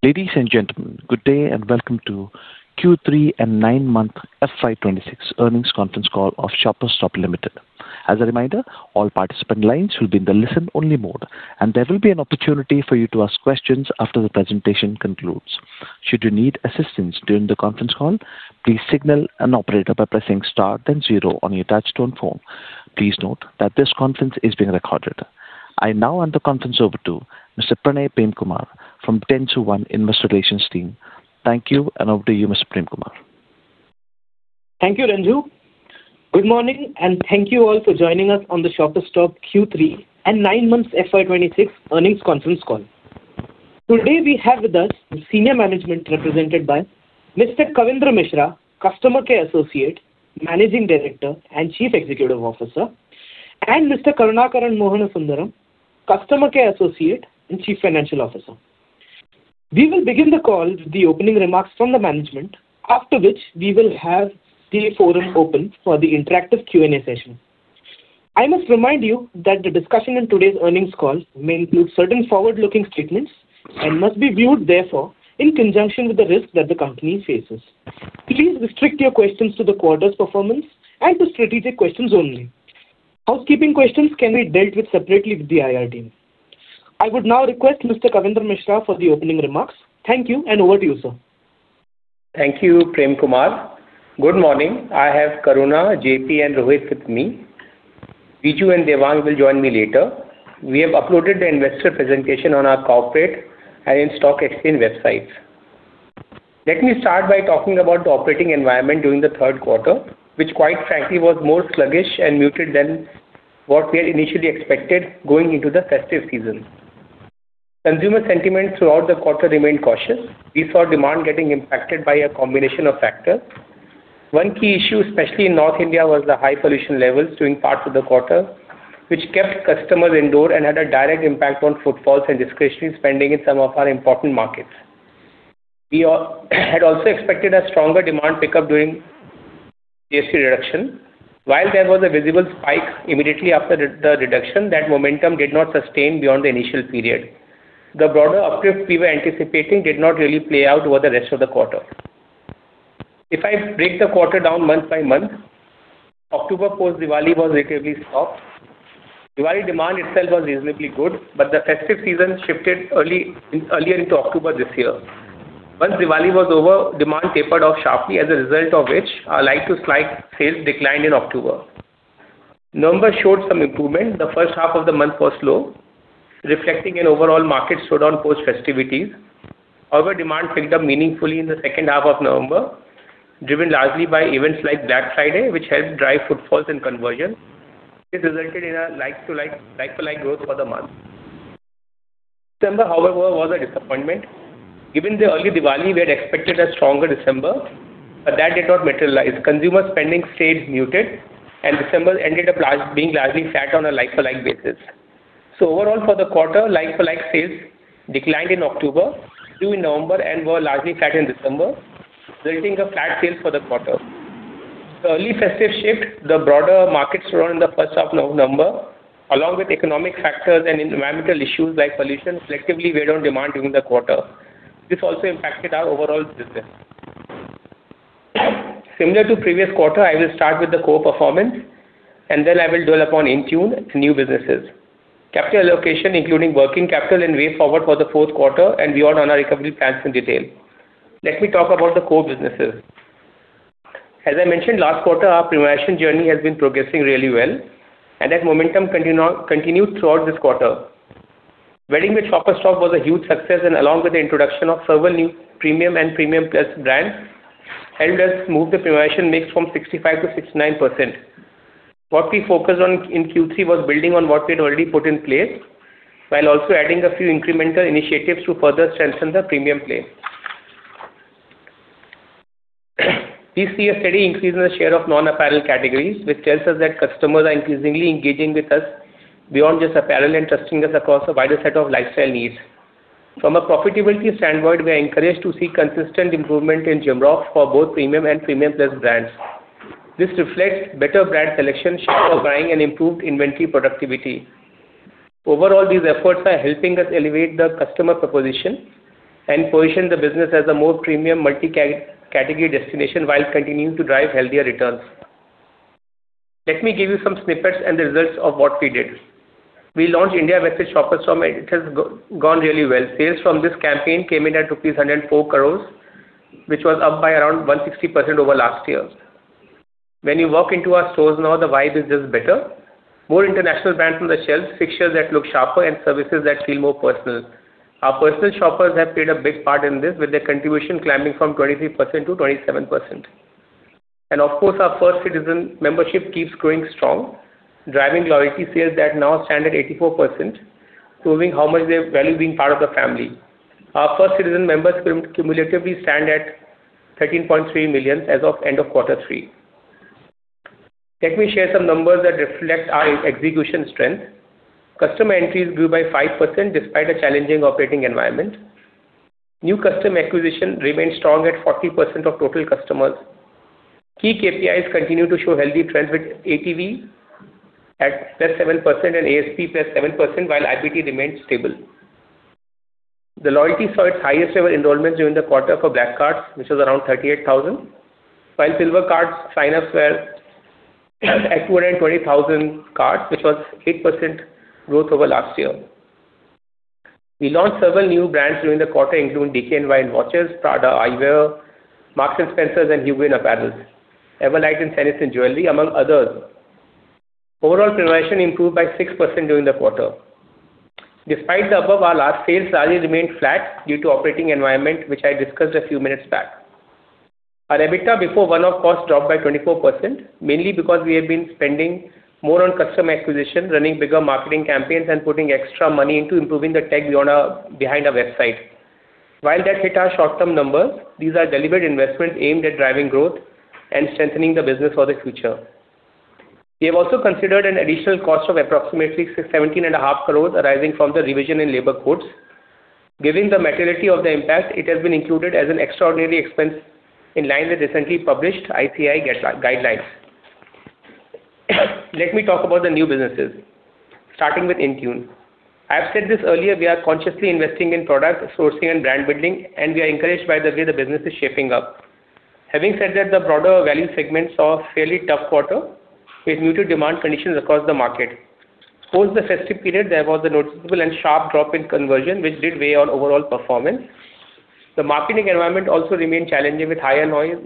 Ladies and gentlemen, good day and welcome to Q3 and 9-month FY25 Earnings Conference Call of Shoppers STOP Limited. As a reminder, all participant lines will be in the listen-only mode, and there will be an opportunity for you to ask questions after the presentation concludes. Should you need assistance during the conference call, please signal an operator by pressing star then zero on your touchtone phone. Please note that this conference is being recorded. I now hand the conference over to Mr. Pranay Premkumar from Shoppers STOP Investor Relations Team. Thank you, and over to you, Mr. Premkumar. Thank you, Ranju. Good morning, and thank you all for joining us on the Shoppers Stop Q3 and 9-month FY26 Earnings Conference Call. Today, we have with us the senior management represented by Mr. Kavindra Mishra, Customer Care Associate, Managing Director, and Chief Executive Officer, and Mr. Karunakaran Mohana Sundaram, Customer Care Associate and Chief Financial Officer. We will begin the call with the opening remarks from the management, after which we will have the forum open for the interactive Q&A session. I must remind you that the discussion in today's earnings call may include certain forward-looking statements and must be viewed, therefore, in conjunction with the risk that the company faces. Please restrict your questions to the quarter's performance and to strategic questions only. Housekeeping questions can be dealt with separately with the IR team. I would now request Mr. Kavindra Mishra for the opening remarks. Thank you, and over to you, sir. Thank you, Pranay. Good morning. I have Karunakaran, JP, and Rohit with me. Biju and Devang will join me later. We have uploaded the investor presentation on our corporate and BSE and NSE websites. Let me start by talking about the operating environment during the Q3, which, quite frankly, was more sluggish and muted than what we had initially expected going into the festive season. Consumer sentiment throughout the quarter remained cautious. We saw demand getting impacted by a combination of factors. One key issue, especially in North India, was the high pollution levels during parts of the quarter, which kept customers indoors and had a direct impact on footfalls and discretionary spending in some of our important markets. We had also expected a stronger demand pickup during GST reduction. While there was a visible spike immediately after the reduction, that momentum did not sustain beyond the initial period. The broader uptrend we were anticipating did not really play out over the rest of the quarter. If I break the quarter down month by month, October post-Diwali was relatively soft. Diwali demand itself was reasonably good, but the festive season shifted earlier into October this year. Once Diwali was over, demand tapered off sharply, as a result of which our like-for-like sales declined in October. November showed some improvement. The first half of the month was slow, reflecting an overall market slowdown post-festivities. However, demand picked up meaningfully in the second half of November, driven largely by events like Black Friday, which helped drive footfalls and conversion. This resulted in a like-for-like growth for the month. December, however, was a disappointment. Given the early Diwali, we had expected a stronger December, but that did not materialize. Consumer spending stayed muted, and December ended up being largely flat on a like-for-like basis, so overall, for the quarter, like-for-like sales declined in October, grew in November, and were largely flat in December, resulting in flat sales for the quarter. The early festive shift, the broader market slowdown in the first half of November, along with economic factors and environmental issues like pollution, collectively weighed on demand during the quarter. This also impacted our overall business. Similar to the previous quarter, I will start with the core performance, and then I will dwell upon Intune new businesses. Capital allocation, including working capital, and way forward for the Q4 and beyond on our recovery plans in detail. Let me talk about the core businesses. As I mentioned, last quarter, our premiumization journey has been progressing really well, and that momentum continued throughout this quarter. Wedding with Shoppers Stop was a huge success, and along with the introduction of several new premium and premium-plus brands, helped us move the premiumization mix from 65% to 69%. What we focused on in Q3 was building on what we had already put in place while also adding a few incremental initiatives to further strengthen the premium play. We see a steady increase in the share of non-apparel categories, which tells us that customers are increasingly engaging with us beyond just apparel and trusting us across a wider set of lifestyle needs. From a profitability standpoint, we are encouraged to see consistent improvement in GMROI for both premium and premium-plus brands. This reflects better brand selection, sharper buying, and improved inventory productivity. Overall, these efforts are helping us elevate the customer proposition and position the business as a more premium multi-category destination while continuing to drive healthier returns. Let me give you some snippets and the results of what we did. We launched India-Fest Shoppers Stop, and it has gone really well. Sales from this campaign came in at rupees 104 crores, which was up by around 160% over last year. When you walk into our stores now, the vibe is just better. More international brands on the shelves, fixtures that look sharper, and services that feel more personal. Our personal shoppers have played a big part in this, with their contribution climbing from 23% to 27%. And of course, our First Citizen membership keeps growing strong, driving loyalty sales that now stand at 84%, proving how much they value being part of the family. Our First Citizen members cumulatively stand at 13.3 million as of end of Q3. Let me share some numbers that reflect our execution strength. Customer entries grew by 5% despite a challenging operating environment. New customer acquisition remained strong at 40% of total customers. Key KPIs continue to show healthy trends with ATV at +7% and ASP +7%, while IPT remained stable. The loyalty saw its highest-ever enrollment during the quarter for Black Cards, which was around 38,000, while Silver Card sign-ups were at 220,000 cards, which was 8% growth over last year. We launched several new brands during the quarter, including DKNY and watches, Prada Eyewear, Marks & Spencer, and Hugo Boss, Everlite and Senco Gold & Diamonds, among others. Overall, premiumization improved by 6% during the quarter. Despite the above, our sales largely remained flat due to the operating environment, which I discussed a few minutes back. Our EBITDA before one-off costs dropped by 24%, mainly because we have been spending more on customer acquisition, running bigger marketing campaigns, and putting extra money into improving the tech behind our website. While that hit our short-term numbers, these are deliberate investments aimed at driving growth and strengthening the business for the future. We have also considered an additional cost of approximately 17.5 crores arising from the revision in Labor Codes. Given the materiality of the impact, it has been included as an extraordinary expense in line with recently published ICAI guidelines. Let me talk about the new businesses, starting with Intune. I have said this earlier. We are consciously investing in product sourcing and brand building, and we are encouraged by the way the business is shaping up. Having said that, the broader value segment saw a fairly tough quarter with muted demand conditions across the market. Post the festive period, there was a noticeable and sharp drop in conversion, which did weigh on overall performance. The marketing environment also remained challenging with higher noise,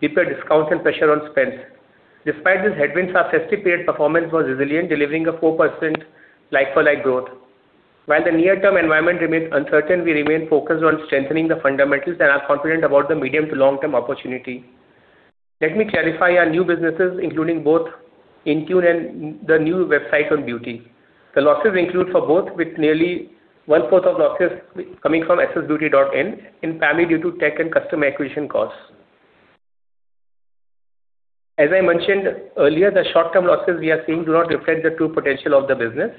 deeper discounts, and pressure on spend. Despite these headwinds, our festive period performance was resilient, delivering a 4% like-for-like growth. While the near-term environment remained uncertain, we remained focused on strengthening the fundamentals and are confident about the medium to long-term opportunity. Let me clarify our new businesses, including both Intune and the new website on beauty. The losses include for both, with nearly one-fourth of losses coming from SSBeauty.in in its infancy due to tech and customer acquisition costs. As I mentioned earlier, the short-term losses we are seeing do not reflect the true potential of the business.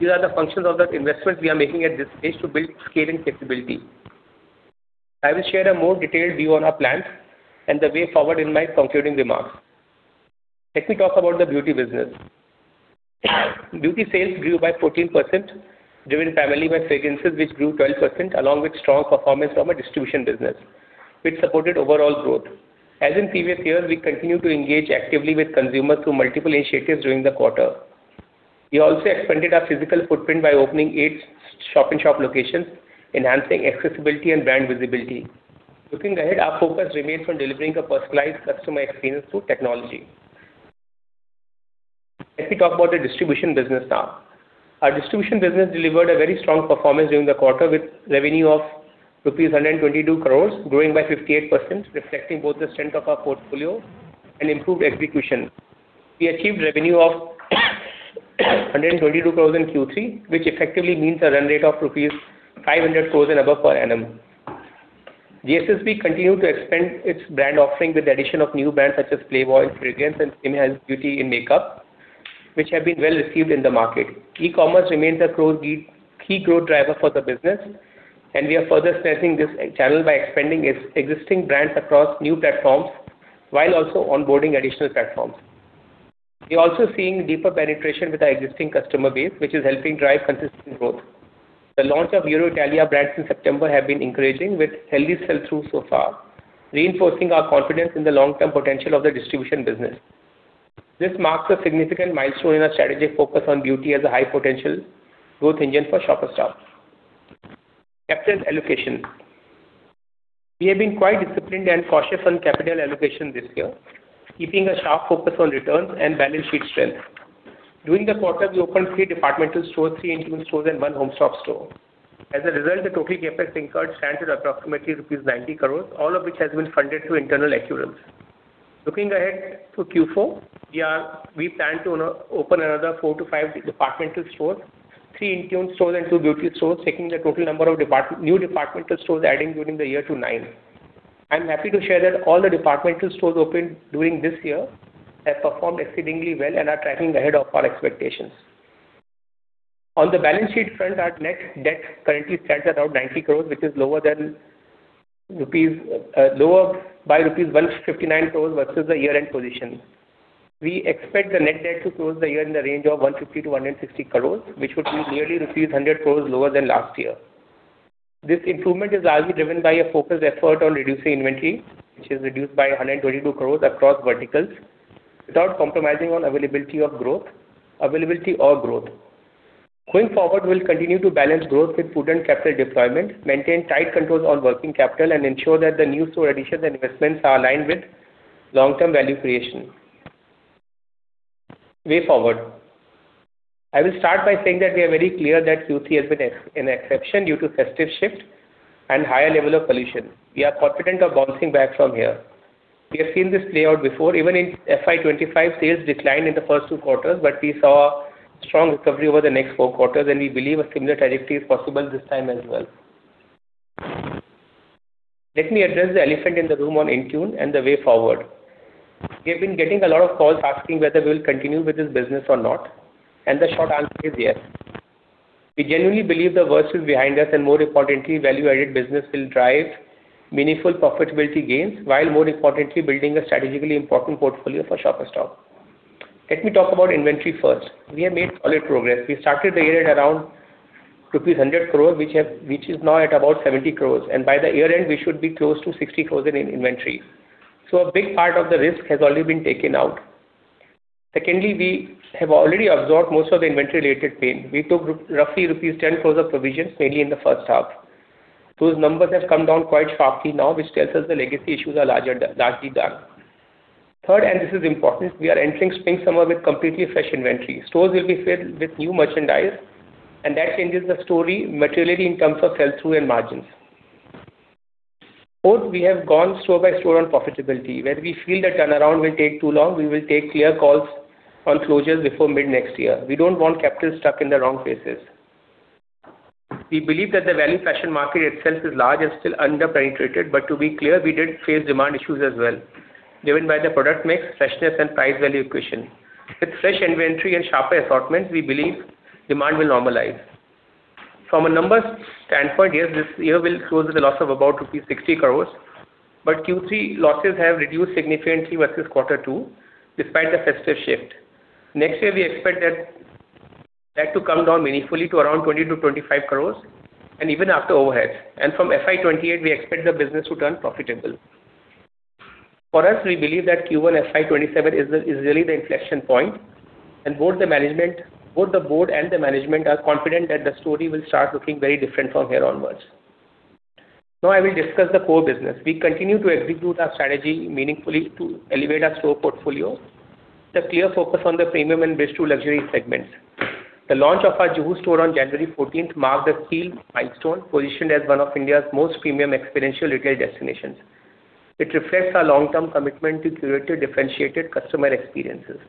These are the functions of the investments we are making at this stage to build scaling capability. I will share a more detailed view on our plans and the way forward in my concluding remarks. Let me talk about the beauty business. Beauty sales grew by 14%, driven primarily by fragrances, which grew 12%, along with strong performance from a distribution business, which supported overall growth. As in previous years, we continue to engage actively with consumers through multiple initiatives during the quarter. We also expanded our physical footprint by opening eight Shoppers Stop locations, enhancing accessibility and brand visibility. Looking ahead, our focus remains on delivering a personalized customer experience through technology. Let me talk about the distribution business now. Our distribution business delivered a very strong performance during the quarter, with revenue of rupees 122 crores, growing by 58%, reflecting both the strength of our portfolio and improved execution. We achieved revenue of 122 crores in Q3, which effectively means a run rate of rupees 500 crores and above per annum. GSSB continued to expand its brand offering with the addition of new brands such as Playboy Fragrances and KimChi Chic in makeup, which have been well received in the market. E-commerce remains a key growth driver for the business, and we are further strengthening this channel by expanding existing brands across new platforms while also onboarding additional platforms. We are also seeing deeper penetration with our existing customer base, which is helping drive consistent growth. The launch of EuroItalia brands in September has been encouraging, with healthy sales through so far, reinforcing our confidence in the long-term potential of the distribution business. This marks a significant milestone in our strategic focus on beauty as a high-potential growth engine for Shoppers Stop. Capital allocation. We have been quite disciplined and cautious on capital allocation this year, keeping a sharp focus on returns and balance sheet strength. During the quarter, we opened three departmental stores, three Intune stores, and one HomeStop store. As a result, the total Capex incurred stands at approximately rupees 90 crores, all of which has been funded through internal accruals. Looking ahead to Q4, we plan to open another four-five departmental stores, three Intune stores, and two beauty stores, taking the total number of new departmental stores adding during the year to nine. I'm happy to share that all the departmental stores opened during this year have performed exceedingly well and are tracking ahead of our expectations. On the balance sheet front, our net debt currently stands at around 90 crores, which is lower by rupees 159 crores versus the year-end position. We expect the net debt to close the year in the range of 150-160 crores, which would be nearly rupees 100 crores lower than last year. This improvement is largely driven by a focused effort on reducing inventory, which is reduced by 122 crores across verticals, without compromising on availability or growth. Going forward, we will continue to balance growth with prudent capital deployment, maintain tight controls on working capital, and ensure that the new store additions and investments are aligned with long-term value creation. Way forward. I will start by saying that we are very clear that Q3 has been an exception due to festive shift and higher level of pollution. We are confident of bouncing back from here. We have seen this play out before. Even in FY25, sales declined in the first two quarters, but we saw a strong recovery over the next four quarters, and we believe a similar trajectory is possible this time as well. Let me address the elephant in the room on Intune and the way forward. We have been getting a lot of calls asking whether we will continue with this business or not, and the short answer is yes. We genuinely believe the worst is behind us, and more importantly, value-added business will drive meaningful profitability gains, while more importantly, building a strategically important portfolio for Shoppers Stop. Let me talk about inventory first. We have made solid progress. We started the year at around rupees 100 crores, which is now at about 70 crores, and by the year end, we should be close to 60 crores in inventory. So a big part of the risk has already been taken out. Secondly, we have already absorbed most of the inventory-related pain. We took roughly rupees 10 crores of provisions, mainly in the first half. Those numbers have come down quite sharply now, which tells us the legacy issues are largely done. Third, and this is important, we are entering Spring Summer with completely fresh inventory. Stores will be filled with new merchandise, and that changes the story materially in terms of sell-through and margins. Fourth, we have gone store by store on profitability. Where we feel the turnaround will take too long, we will take clear calls on closures before mid-next year. We don't want capital stuck in the wrong places. We believe that the value fashion market itself is large and still under-penetrated, but to be clear, we did face demand issues as well, driven by the product mix, freshness, and price-value equation. With fresh inventory and sharper assortments, we believe demand will normalize. From a numbers standpoint, yes, this year will close with a loss of about rupees 60 crores, but Q3 losses have reduced significantly versus Q2, despite the festive shift. Next year, we expect that to come down meaningfully to around ₹20-₹25 crores, and even after overheads. And from FY28, we expect the business to turn profitable. For us, we believe that Q1 FY27 is really the inflection point, and both the board and the management are confident that the story will start looking very different from here onwards. Now, I will discuss the core business. We continue to execute our strategy meaningfully to elevate our store portfolio, with a clear focus on the premium and bridge to luxury segments. The launch of our Juhu store on January 14 marked a key milestone positioned as one of India's most premium experiential retail destinations. It reflects our long-term commitment to curated, differentiated customer experiences.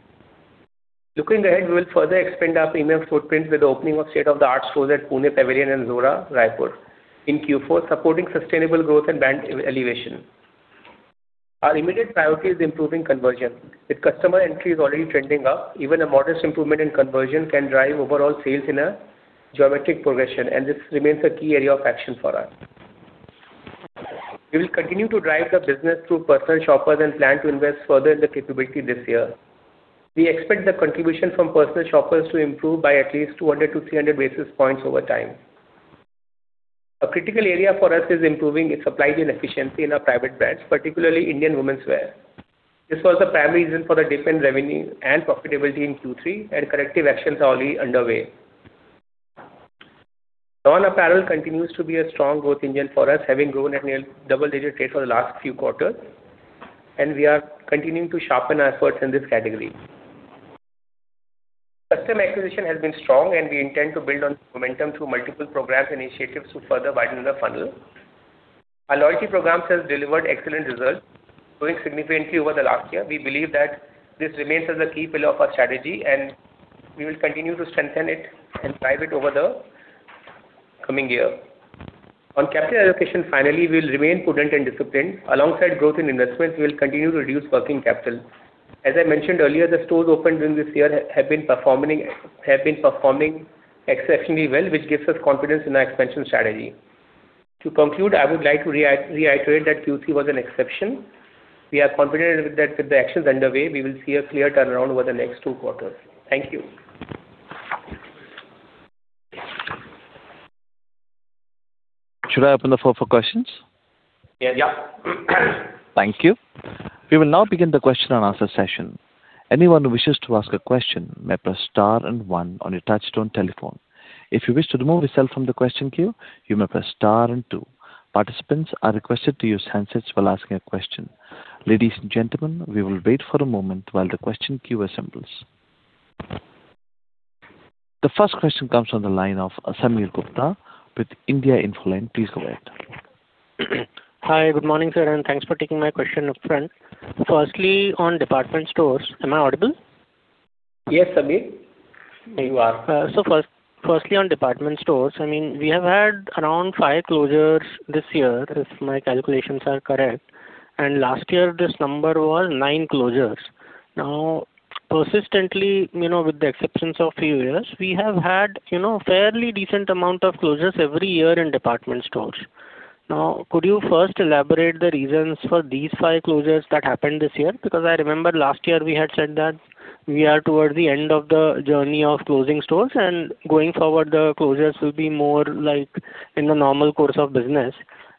Looking ahead, we will further expand our premium footprint with the opening of state-of-the-art stores at The Pavilion, Pune and Jora, Raipur in Q4, supporting sustainable growth and brand elevation. Our immediate priority is improving conversion. With customer entry already trending up, even a modest improvement in conversion can drive overall sales in a geometric progression, and this remains a key area of action for us. We will continue to drive the business through personal shoppers and plan to invest further in the capability this year. We expect the contribution from personal shoppers to improve by at least 200-300 basis points over time. A critical area for us is improving its supply chain efficiency in our private brands, particularly Indian women's wear. This was the primary reason for the dip in revenue and profitability in Q3, and corrective actions are already underway. Non-apparel continues to be a strong growth engine for us, having grown at nearly double-digit rate for the last few quarters, and we are continuing to sharpen our efforts in this category. Customer acquisition has been strong, and we intend to build on momentum through multiple programs and initiatives to further widen the funnel. Our loyalty programs have delivered excellent results, growing significantly over the last year. We believe that this remains as a key pillar of our strategy, and we will continue to strengthen it and drive it over the coming year. On capital allocation, finally, we will remain prudent and disciplined. Alongside growth in investments, we will continue to reduce working capital. As I mentioned earlier, the stores opened during this year have been performing exceptionally well, which gives us confidence in our expansion strategy. To conclude, I would like to reiterate that Q3 was an exception. We are confident that with the actions underway, we will see a clear turnaround over the next two quarters. Thank you. Should I open the floor for questions? Yes. Yep. Thank you. We will now begin the question and answer session. Anyone who wishes to ask a question may press Star and One on your Touchtone telephone. If you wish to remove yourself from the question queue, you may press Star and Two. Participants are requested to use handsets while asking a question. Ladies and gentlemen, we will wait for a moment while the question queue assembles. The first question comes from the line of Sameer Gupta with IIFL Securities. Please go ahead. Hi, good morning, sir, and thanks for taking my question upfront. Firstly, on department stores, am I audible? Yes, Samir. So firstly, on department stores, I mean, we have had around five closures this year, if my calculations are correct. And last year, this number was nine closures. Now, persistently, with the exceptions of few years, we have had a fairly decent amount of closures every year in department stores. Now, could you first elaborate the reasons for these five closures that happened this year? Because I remember last year we had said that we are towards the end of the journey of closing stores, and going forward, the closures will be more like in the normal course of business.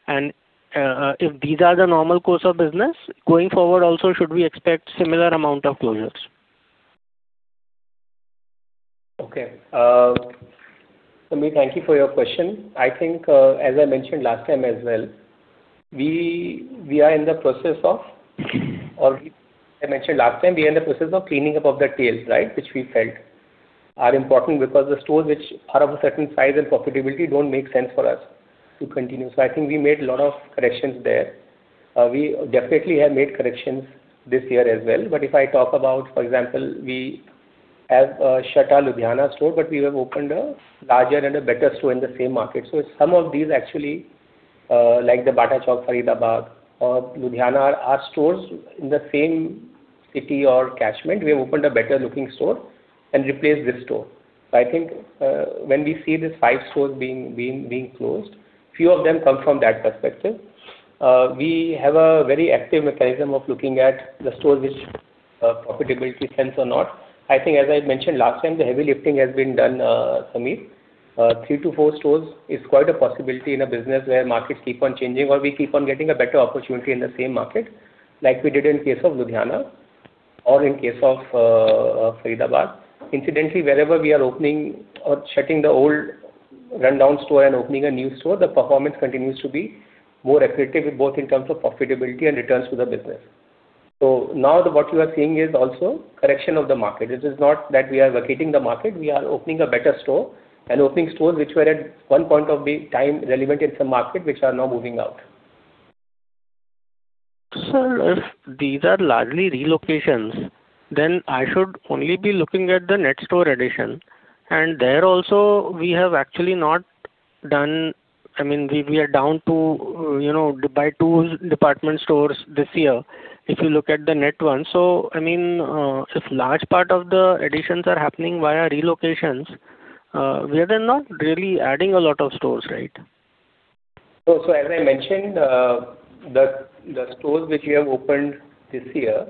And if these are the normal course of business, going forward, also should we expect a similar amount of closures? Okay. Samir, thank you for your question. I think, as I mentioned last time as well, we are in the process of, or I mentioned last time, we are in the process of cleaning up of the tails, right, which we felt are important because the stores which are of a certain size and profitability don't make sense for us to continue. So I think we made a lot of corrections there. We definitely have made corrections this year as well. But if I talk about, for example, we have shut our Ludhiana store, but we have opened a larger and a better store in the same market. So some of these actually, like the Bata Chowk, Faridabad, Ludhiana, are stores in the same city or catchment. We have opened a better-looking store and replaced this store. So I think when we see these five stores being closed, a few of them come from that perspective. We have a very active mechanism of looking at the stores which profitability makes sense or not. I think, as I mentioned last time, the heavy lifting has been done, Sameer. Three to four stores is quite a possibility in a business where markets keep on changing, or we keep on getting a better opportunity in the same market, like we did in the case of Ludhiana or in the case of Faridabad. Incidentally, wherever we are opening or shutting the old rundown store and opening a new store, the performance continues to be more accurate both in terms of profitability and returns to the business. So now what you are seeing is also a correction of the market. It is not that we are vacating the market. We are opening a better store and opening stores which were at one point of time relevant in some market, which are now moving out. So if these are largely relocations, then I should only be looking at the net store addition. And there also, we have actually not done, I mean, we are down by two department stores this year, if you look at the net. So I mean, if a large part of the additions are happening via relocations, we are not really adding a lot of stores, right? So as I mentioned, the stores which we have opened this year,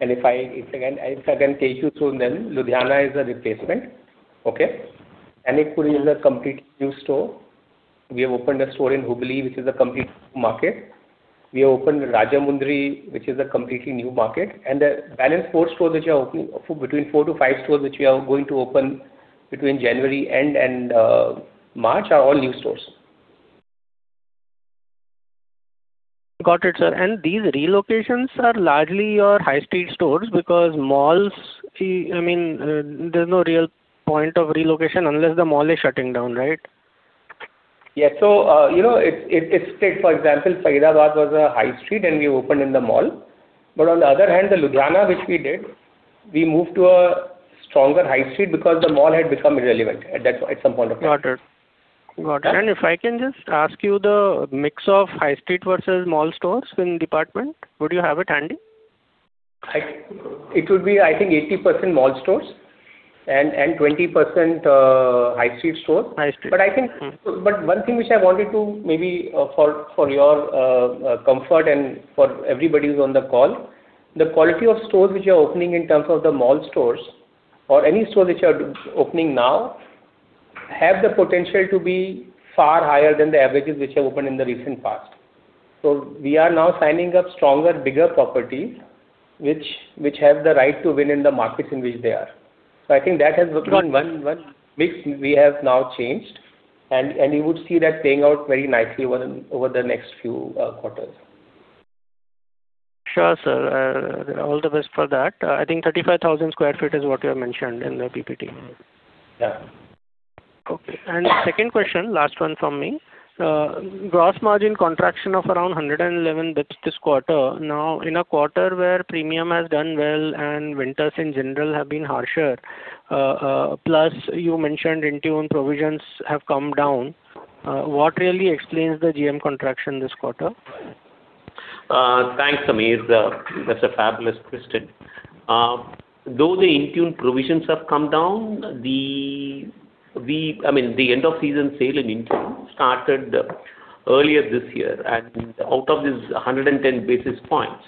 and if I can tell you soon, then Ludhiana is a replacement, okay? Janakpuri is a completely new store. We have opened a store in Hubballi, which is a complete new market. We have opened Rajahmundry, which is a completely new market. And the balance four stores which are opening, between four to five stores which we are going to open between January end and March are all new stores. Got it, sir. And these relocations are largely your high-street stores because malls, I mean, there's no real point of relocation unless the mall is shutting down, right? Yes, so it's still, for example, Faridabad was a high street, and we opened in the mall. But on the other hand, the Ludhiana which we did, we moved to a stronger high street because the mall had become irrelevant at some point of time. Got it. Got it. And if I can just ask you the mix of high street versus mall stores in department, would you have it handy? It would be, I think, 80% mall stores and 20% high street stores. High street. One thing which I wanted to maybe for your comfort and for everybody who's on the call, the quality of stores which are opening in terms of the mall stores or any stores which are opening now have the potential to be far higher than the averages which have opened in the recent past. We are now signing up stronger, bigger properties which have the right to win in the markets in which they are. I think that has become one mix we have now changed, and you would see that playing out very nicely over the next few quarters. Sure, sir. All the best for that. I think 35,000 sq ft is what you have mentioned in the PPT. Yeah. Okay. And second question, last one from me. Gross margin contraction of around 111 basis points this quarter. Now, in a quarter where premium has done well and winters in general have been harsher, plus you mentioned Intune provisions have come down, what really explains the GM contraction this quarter? Thanks, Samir. That's a fabulous question. Though the Intune provisions have come down, I mean, the end-of-season sale in Intune started earlier this year, and out of these 110 basis points,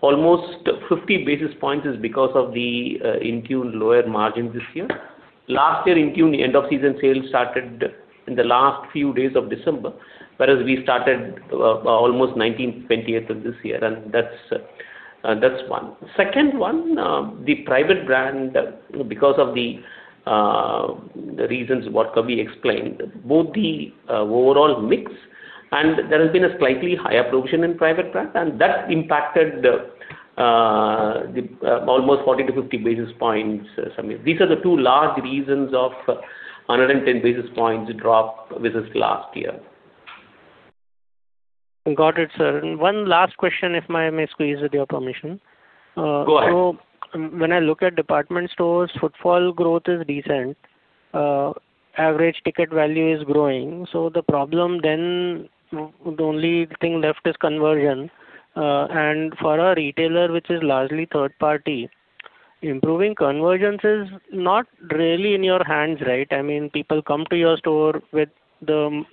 almost 50 basis points is because of the Intune lower margin this year. Last year, Intune, the end-of-season sales started in the last few days of December, whereas we started almost 19th, 20th of this year, and that's one. Second one, the private brand, because of the reasons what Kavindra explained, both the overall mix, and there has been a slightly higher provision in private brand, and that impacted almost 40 to 50 basis points, Samir. These are the two large reasons of 110 basis points drop versus last year. Got it, sir, and one last question, if I may squeeze with your permission. Go ahead. So when I look at department stores, footfall growth is decent. Average ticket value is growing. So the problem then, the only thing left is conversion. And for a retailer which is largely third-party, improving conversion is not really in your hands, right? I mean, people come to your store with the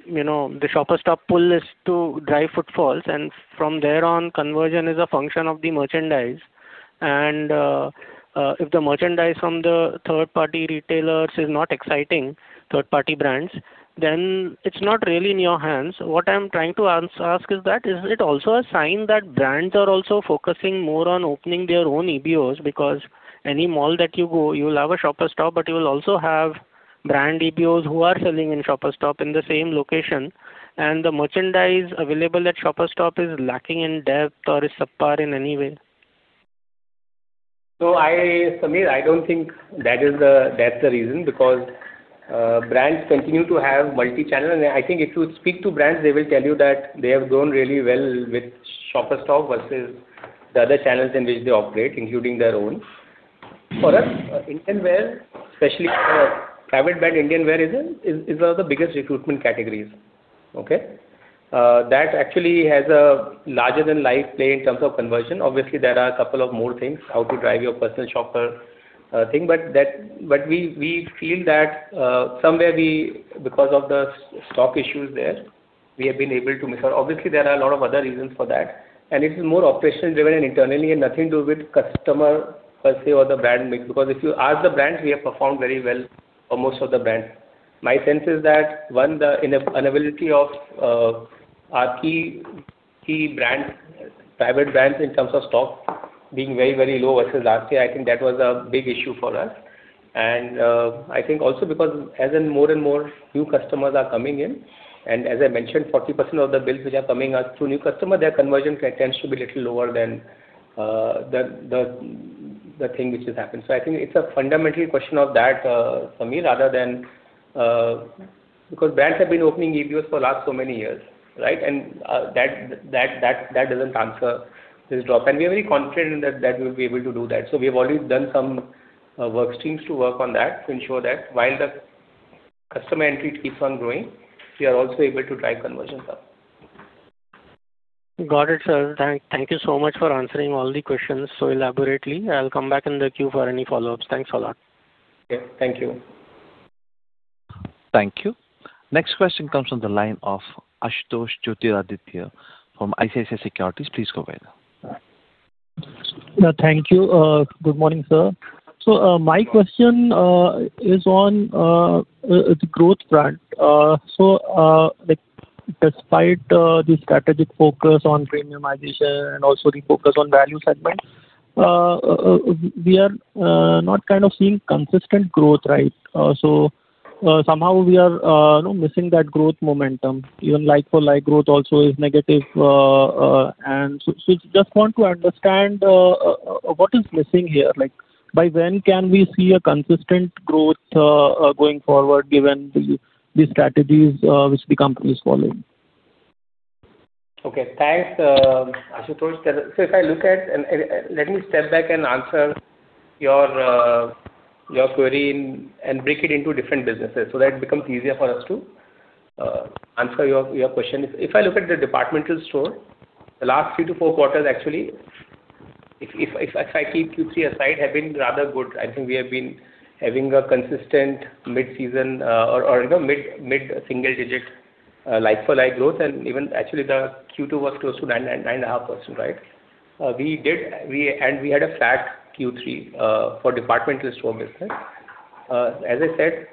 Shoppers Stop pull is to drive footfalls, and from there on, conversion is a function of the merchandise. And if the merchandise from the third-party retailers is not exciting, third-party brands, then it's not really in your hands. What I'm trying to ask is that is it also a sign that brands are also focusing more on opening their own EBOs? Because any mall that you go, you'll have a Shoppers Stop, but you'll also have brand EBOs who are selling in Shoppers Stop in the same location, and the merchandise available at Shoppers Stop is lacking in depth or is subpar in any way? So Sameer, I don't think that's the reason because brands continue to have multi-channel, and I think if you speak to brands, they will tell you that they have grown really well with Shoppers Stop versus the other channels in which they operate, including their own. For us, Indian wear, especially private brand Indian wear, is one of the biggest recruitment categories, okay? That actually has a larger-than-life play in terms of conversion. Obviously, there are a couple of more things how to drive your personal shopper thing, but we feel that somewhere we, because of the stock issues there, we have been able to make our, obviously, there are a lot of other reasons for that, and it is more operation-driven and internally and nothing to do with customer per se or the brand mix. Because if you ask the brands, we have performed very well for most of the brands. My sense is that, one, the inability of our key private brands in terms of stock being very, very low versus last year, I think that was a big issue for us. And I think also because as more and more new customers are coming in, and as I mentioned, 40% of the bills which are coming are through new customers, their conversion tends to be a little lower than the thing which has happened. So I think it's a fundamental question of that, Samir, rather than because brands have been opening EBOs for the last so many years, right? And that doesn't answer this drop. And we are very confident that we will be able to do that. We have already done some workstreams to work on that to ensure that while the customer entry keeps on growing, we are also able to drive conversions up. Got it, sir. Thank you so much for answering all the questions so elaborately. I'll come back in the queue for any follow-ups. Thanks a lot. Okay. Thank you. Thank you. Next question comes from the line of Ashutosh Mishra from ICICI Securities. Please go ahead. Thank you. Good morning, sir. So my question is on the growth front. So despite the strategic focus on premiumization and also the focus on value segment, we are not kind of seeing consistent growth, right? So somehow we are missing that growth momentum. Even like-for-like growth also is negative. And so just want to understand what is missing here. By when can we see a consistent growth going forward given the strategies which the companies follow? Okay. Thanks, Ashutosh. So if I look at, let me step back and answer your query and break it into different businesses so that it becomes easier for us to answer your question. If I look at the departmental store, the last three to four quarters, actually, if I keep Q3 aside, have been rather good. I think we have been having a consistent mid-season or mid-single-digit like-for-like growth, and even actually the Q2 was close to 9.5%, right? And we had a flat Q3 for departmental store business. As I said,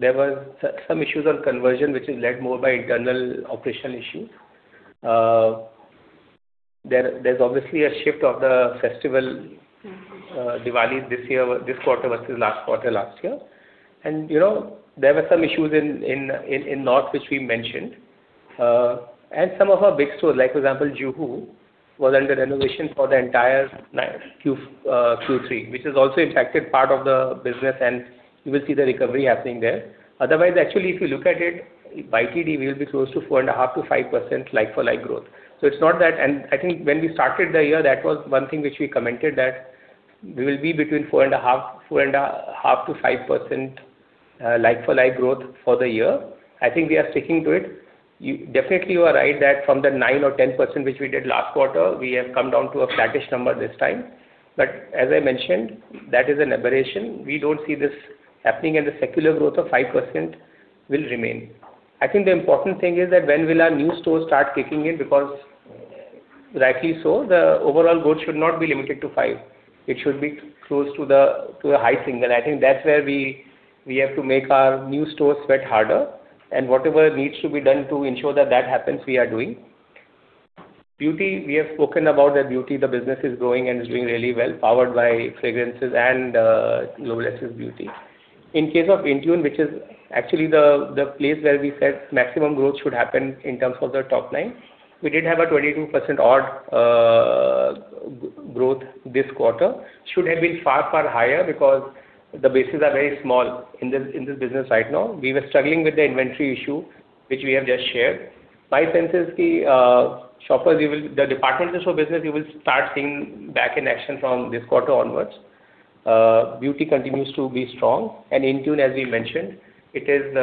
there were some issues on conversion which is led more by internal operational issues. There's obviously a shift of the festival Diwali this quarter versus last quarter last year. And there were some issues in North which we mentioned. And some of our big stores, like for example, Juhu was under renovation for the entire Q3, which has also impacted part of the business, and you will see the recovery happening there. Otherwise, actually, if you look at it, by TD, we'll be close to 4.5%-5% like-for-like growth. So it's not that, and I think when we started the year, that was one thing which we commented that we will be between 4.5% and 5% like-for-like growth for the year. I think we are sticking to it. Definitely, you are right that from the 9% or 10% which we did last quarter, we have come down to a flattish number this time. But as I mentioned, that is an aberration. We don't see this happening, and the secular growth of 5% will remain. I think the important thing is that when will our new stores start kicking in? Because rightly so, the overall growth should not be limited to 5%. It should be close to the high single. I think that's where we have to make our new stores sweat harder, and whatever needs to be done to ensure that that happens, we are doing. Beauty, we have spoken about the beauty. The business is growing and is doing really well, powered by fragrances and globalized beauty. In case of Intune, which is actually the place where we said maximum growth should happen in terms of the top line, we did have a 22% odd growth this quarter. Should have been far, far higher because the bases are very small in this business right now. We were struggling with the inventory issue, which we have just shared. My sense is the departmental store business, you will start seeing back in action from this quarter onwards. Beauty continues to be strong, and Intune, as we mentioned, it is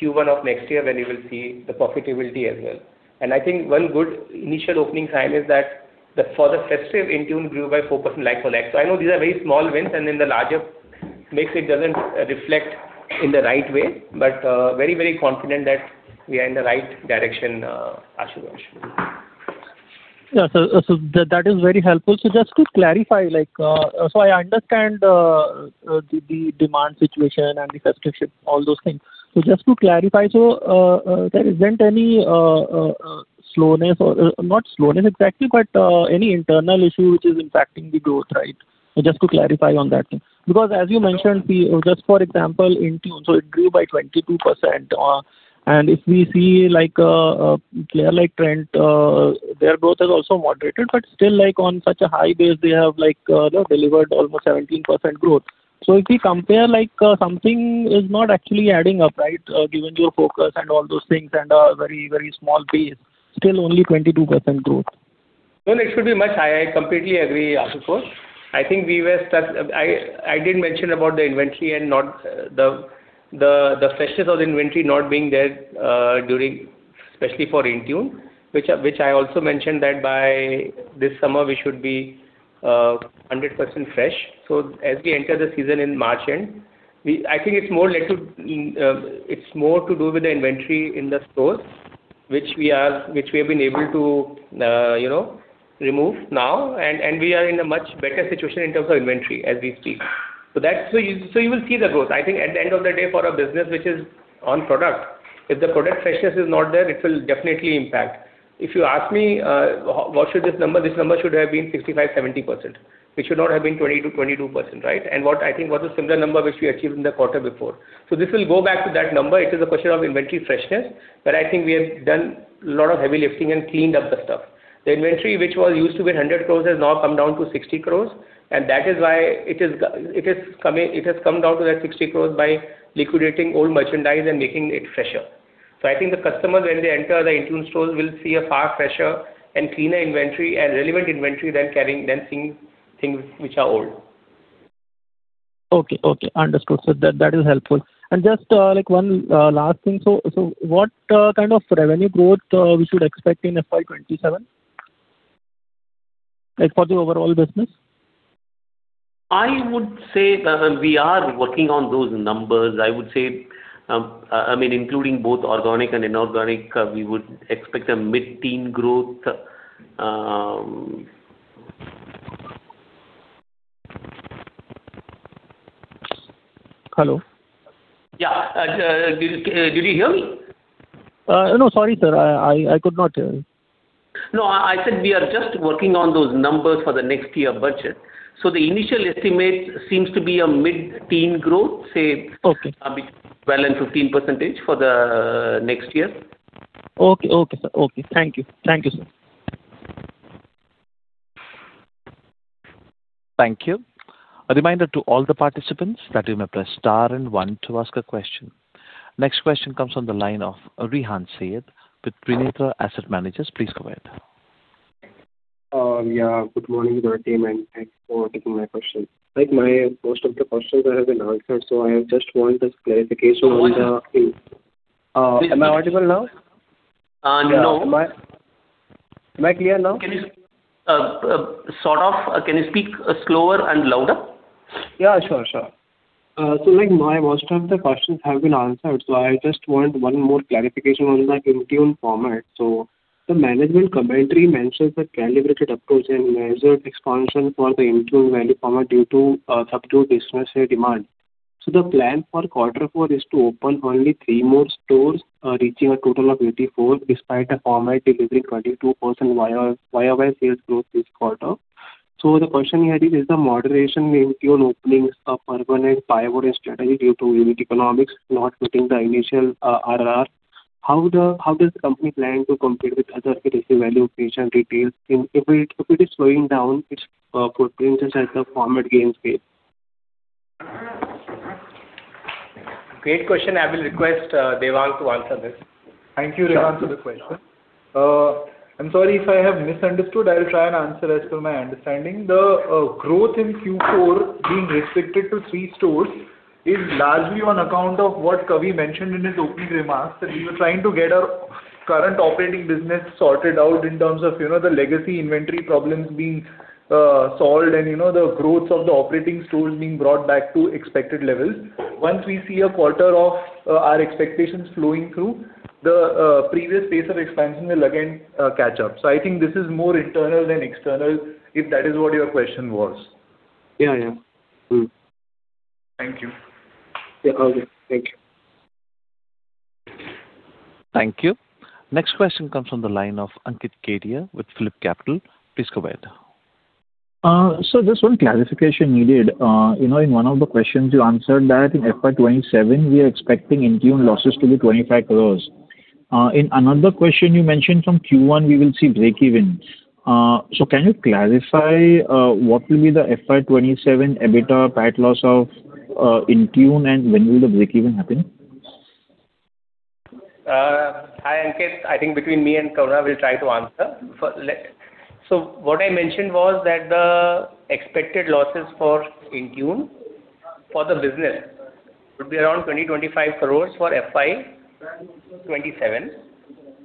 Q1 of next year when you will see the profitability as well. And I think one good initial opening sign is that for the festive, Intune grew by 4% like-for-like, so I know these are very small wins, and in the larger mix, it doesn't reflect in the right way, but very, very confident that we are in the right direction, Ashutosh. Yeah. So that is very helpful. So just to clarify, so I understand the demand situation and the festive, all those things. So just to clarify, so there isn't any slowness or not slowness exactly, but any internal issue which is impacting the growth, right? Just to clarify on that. Because as you mentioned, just for example, Intune, so it grew by 22%. And if we see a like-for-like trend, their growth is also moderated, but still on such a high base, they have delivered almost 17% growth. So if we compare, something is not actually adding up, right? Given your focus and all those things and a very, very small base, still only 22% growth. Well, it should be much higher. I completely agree, Ashutosh. I think we were stuck. I did mention about the inventory and the freshness of the inventory not being there during, especially for Intune, which I also mentioned that by this summer, we should be 100% fresh. So as we enter the season in March end, I think it's more to do with the inventory in the stores, which we have been able to remove now, and we are in a much better situation in terms of inventory as we speak. So you will see the growth. I think at the end of the day, for a business which is on product, if the product freshness is not there, it will definitely impact. If you ask me, what should this number be? This number should have been 65%-70%, which should not have been 22%-22%, right? I think what a similar number which we achieved in the quarter before. This will go back to that number. It is a question of inventory freshness, but I think we have done a lot of heavy lifting and cleaned up the stuff. The inventory which used to be 100 crores has now come down to 60 crores, and that is why it has come down to that 60 crores by liquidating old merchandise and making it fresher. I think the customers, when they enter the Intune stores, will see a far fresher and cleaner inventory and relevant inventory than seeing things which are old. Okay. Okay. Understood. So that is helpful. And just one last thing. So what kind of revenue growth we should expect in FY27 for the overall business? I would say we are working on those numbers. I would say, I mean, including both organic and inorganic, we would expect a mid-teen growth. Hello? Yeah. Did you hear me? No, sorry, sir. I could not hear you. No, I said we are just working on those numbers for the next year budget, so the initial estimate seems to be a mid-teen growth, say between 12% and 15% for the next year. Okay. Okay, sir. Okay. Thank you. Thank you, sir. Thank you. A reminder to all the participants that you may press star and one to ask a question. Next question comes from the line of Rihan Sayed with Batlivala & Karani Securities. Please go ahead. Yeah. Good morning, both, and thanks for taking my question. My most of the questions have been answered, so I just want a clarification on the. Am I audible now? No. Am I clear now? Can you sort of speak slower and louder? Yeah. Sure, sure. Most of my questions have been answered, so I just want one more clarification on the Intune format. The management commentary mentions a calibrated approach and measured expansion for the Intune value format due to subdued business demand. The plan for Q4 is to open only three more stores, reaching a total of 84, despite a format delivering 22% YOY sales growth this quarter. The question here is, is the moderation in Intune openings a permanent pivot in strategy due to unit economics not meeting the initial RRR? How does the company plan to compete with other value creation retailers if it is slowing down its footprint such as the format gains? Great question. I will request Devang to answer this. Thank you, Devang, for the question. I'm sorry if I have misunderstood. I'll try and answer as per my understanding. The growth in Q4 being restricted to three stores is largely on account of what Kavindra mentioned in his opening remarks that we were trying to get our current operating business sorted out in terms of the legacy inventory problems being solved and the growth of the operating stores being brought back to expected levels. Once we see a quarter of our expectations flowing through, the previous pace of expansion will again catch up. So I think this is more internal than external if that is what your question was. Yeah, yeah. Thank you. Yeah. Okay. Thank you. Thank you. Next question comes from the line of Ankit Kedia with PhillipCapital. Please go ahead. Just one clarification needed. In one of the questions, you answered that in FY27, we are expecting Intune losses to be 25 crores. In another question you mentioned from Q1, we will see breakeven. Can you clarify what will be the FY27 EBITDA or PAT loss of Intune, and when will the breakeven happen? Hi, Ankit. I think between me and Kavindra, we'll try to answer. So what I mentioned was that the expected losses for Intune for the business would be around 20-25 crores for FY27.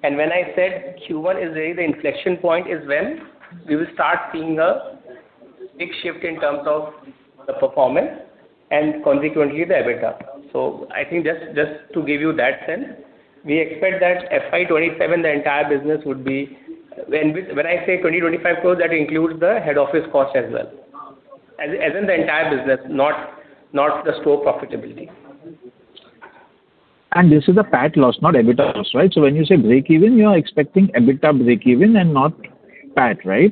And when I said Q1 is really the inflection point is when we will start seeing a big shift in terms of the performance and consequently the EBITDA. So I think just to give you that sense, we expect that FY27, the entire business would be when I say 20-25 crores, that includes the head office cost as well. As in the entire business, not the store profitability. And this is a PAT loss, not EBITDA loss, right? So when you say breakeven, you are expecting EBITDA breakeven and not PAT, right?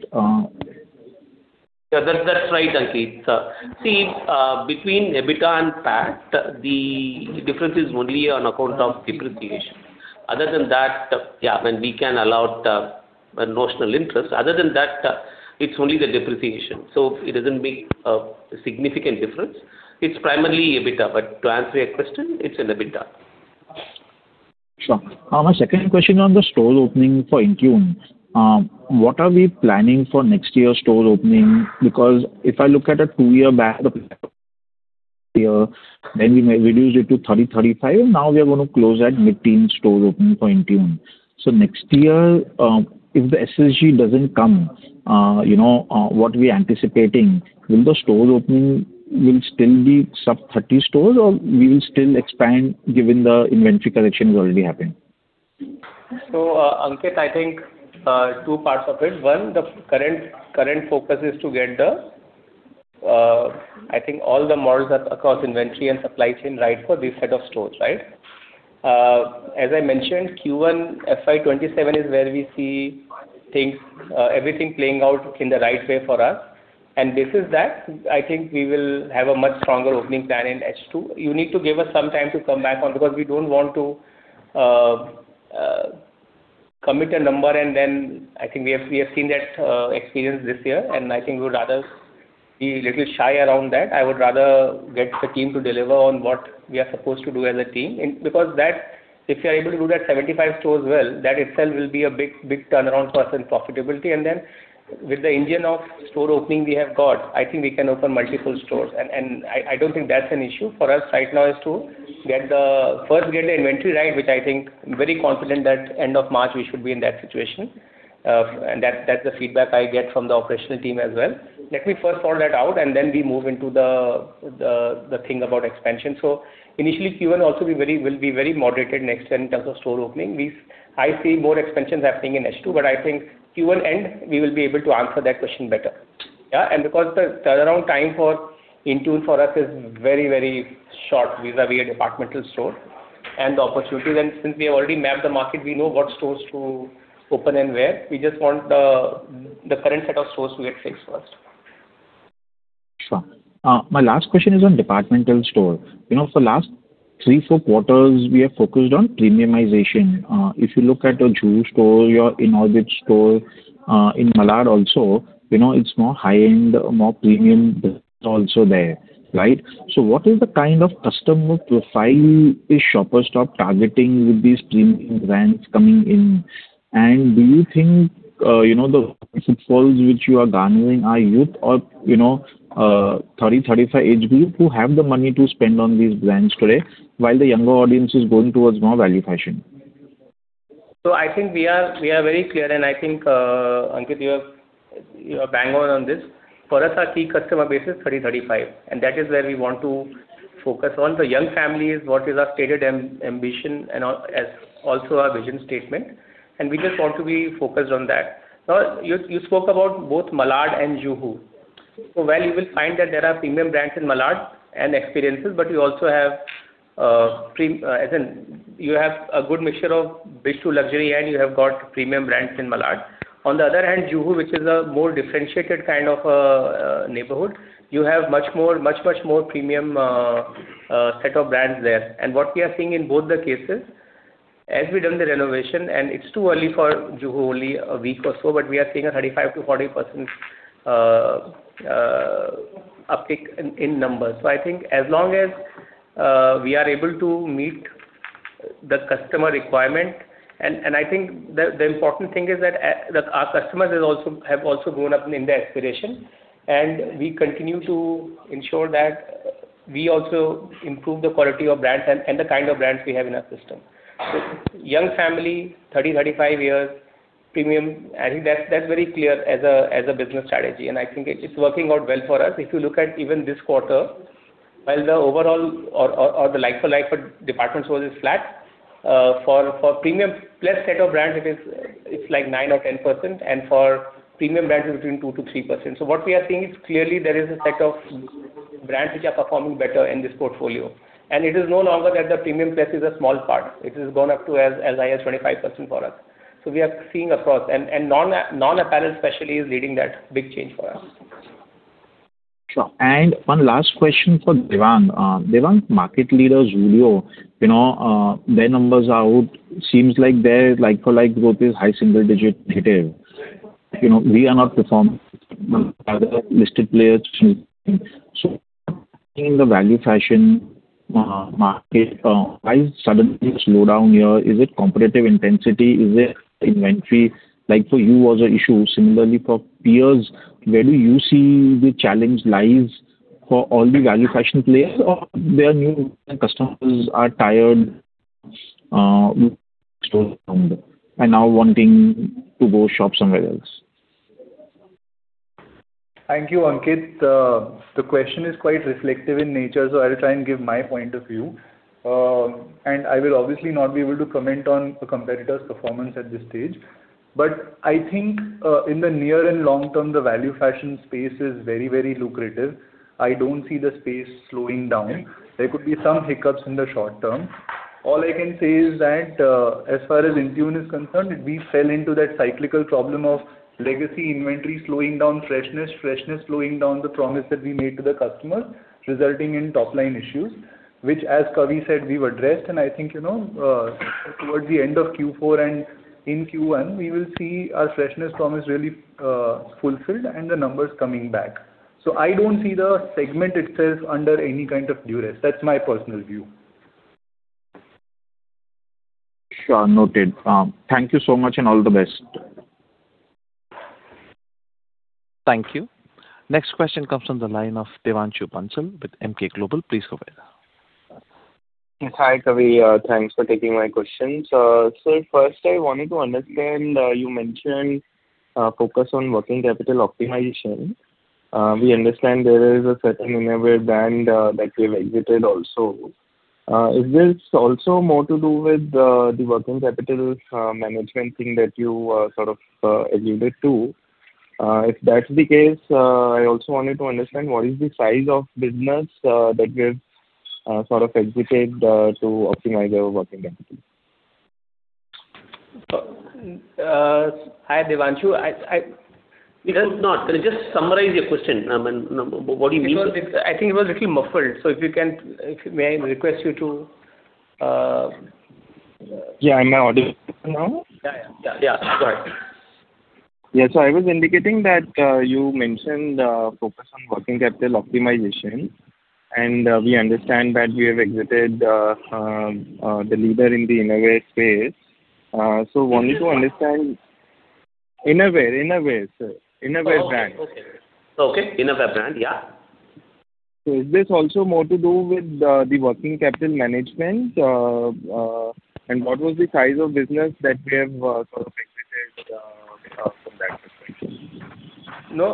That's right, Ankit. See, between EBITDA and PAT, the difference is only on account of depreciation. Other than that, yeah, when we can allow the notional interest, other than that, it's only the depreciation. So it doesn't make a significant difference. It's primarily EBITDA, but to answer your question, it's in EBITDA. Sure. My second question on the store opening for Intune, what are we planning for next year's store opening? Because if I look at a two years back, then we reduced it to 30, 35, and now we are going to close at mid-teen store opening for Intune. So next year, if the SSG doesn't come, what we are anticipating, will the store opening still be sub-30 stores, or we will still expand given the inventory collection is already happening? So, Ankit, I think two parts of it. One, the current focus is to get the, I think, all the models across inventory and supply chain right for this set of stores, right? As I mentioned, Q1 FY27 is where we see everything playing out in the right way for us. And this is that I think we will have a much stronger opening plan in S2. You need to give us some time to come back on because we don't want to commit a number, and then I think we have seen that experience this year, and I think we would rather be a little shy around that. I would rather get the team to deliver on what we are supposed to do as a team. Because if you are able to do that 75 stores well, that itself will be a big turnaround for us in profitability. Then with the engine of store opening we have got, I think we can open multiple stores. I don't think that's an issue for us right now is to first get the inventory right, which I think I'm very confident that end of March, we should be in that situation. That's the feedback I get from the operational team as well. Let me first sort that out, and then we move into the thing about expansion. Initially, Q1 will be very moderated next year in terms of store opening. I see more expansions happening in S2, but I think Q1 end, we will be able to answer that question better. Yeah. Because the turnaround time for Intune for us is very, very short, these are departmental stores. The opportunity, since we have already mapped the market, we know what stores to open and where. We just want the current set of stores to get fixed first. Sure. My last question is on departmental stores. For the last three, four quarters, we have focused on premiumization. If you look at a new store, your Inorbit store in Malad also, it's more high-end, more premium also there, right? So what is the kind of customer profile is Shoppers Stop targeting with these premium brands coming in? And do you think the sales which you are garnering are youth or 30-35 age group who have the money to spend on these brands today while the younger audience is going towards more value fashion? I think we are very clear, and I think Ankit, you have banged on this. For us, our key customer base is 30-35. That is where we want to focus on the young families, what is our stated ambition, and also our vision statement. We just want to be focused on that. You spoke about both Malad and Juhu. Well, you will find that there are premium brands in Malad and experiences, but you also have a good mixture of Bridge to Luxury, and you have got premium brands in Malad. On the other hand, Juhu, which is a more differentiated kind of neighborhood, you have much, much more premium set of brands there. What we are seeing in both the cases, as we've done the renovation, and it's too early for Juhu only a week or so, but we are seeing a 35%-40% uptick in numbers. So I think as long as we are able to meet the customer requirement, and I think the important thing is that our customers have also grown up in the aspiration, and we continue to ensure that we also improve the quality of brands and the kind of brands we have in our system. So young family, 30-35 years, premium, I think that's very clear as a business strategy. And I think it's working out well for us. If you look at even this quarter, while the overall or the Like-for-Like for department stores is flat, for premium plus set of brands, it's like 9 or 10%, and for premium brands, it's between 2 to 3%. So what we are seeing is clearly there is a set of brands which are performing better in this portfolio. And it is no longer that the premium plus is a small part. It has gone up to as high as 25% for us. So we are seeing across, and Non-Apparel especially is leading that big change for us. Sure. And one last question for Devang. Devang's market leader, Zudio, their numbers are out. Seems like their like-for-like growth is high single-digit negative. We are not performing like other listed players. So in the value fashion market, why suddenly slow down here? Is it competitive intensity? Is it inventory? For you, was an issue. Similarly, for peers, where do you see the challenge lies for all the value fashion players or their new customers are tired with stores around and now wanting to go shop somewhere else? Thank you, Ankit. The question is quite reflective in nature, so I'll try and give my point of view, and I will obviously not be able to comment on a competitor's performance at this stage, but I think in the near and long term, the value fashion space is very, very lucrative. I don't see the space slowing down. There could be some hiccups in the short term. All I can say is that as far as Intune is concerned, we fell into that cyclical problem of legacy inventory slowing down, freshness slowing down, the promise that we made to the customers, resulting in top-line issues, which, as Kavindra said, we've addressed, and I think towards the end of Q4 and in Q1, we will see our freshness promise really fulfilled and the numbers coming back, so I don't see the segment itself under any kind of duress. That's my personal view. Sure. Noted. Thank you so much and all the best. Thank you. Next question comes from the line of Devanshu Bansal with Emkay Global. Please go ahead. Hi, Kavindra. Thanks for taking my question. So first, I wanted to understand you mentioned focus on working capital optimization. We understand there is a certain innovative brand that we've exited also. Is this also more to do with the working capital management thing that you sort of alluded to? If that's the case, I also wanted to understand what is the size of business that we've sort of exited to optimize our working capital? Hi, Devang. No, no. Can you just summarize your question? What do you mean? I think it was actually muffled. So if you can, may I request you to? Yeah, I'm now audible. Yeah, yeah, yeah. Go ahead. Yeah. So, I was indicating that you mentioned focus on working capital optimization, and we understand that you have exited the leader in the innovative space. So, wanting to understand innovative brand. Okay. Okay. Innovative brand, yeah. So is this also more to do with the working capital management? And what was the size of business that we have sort of exited from that perspective? No,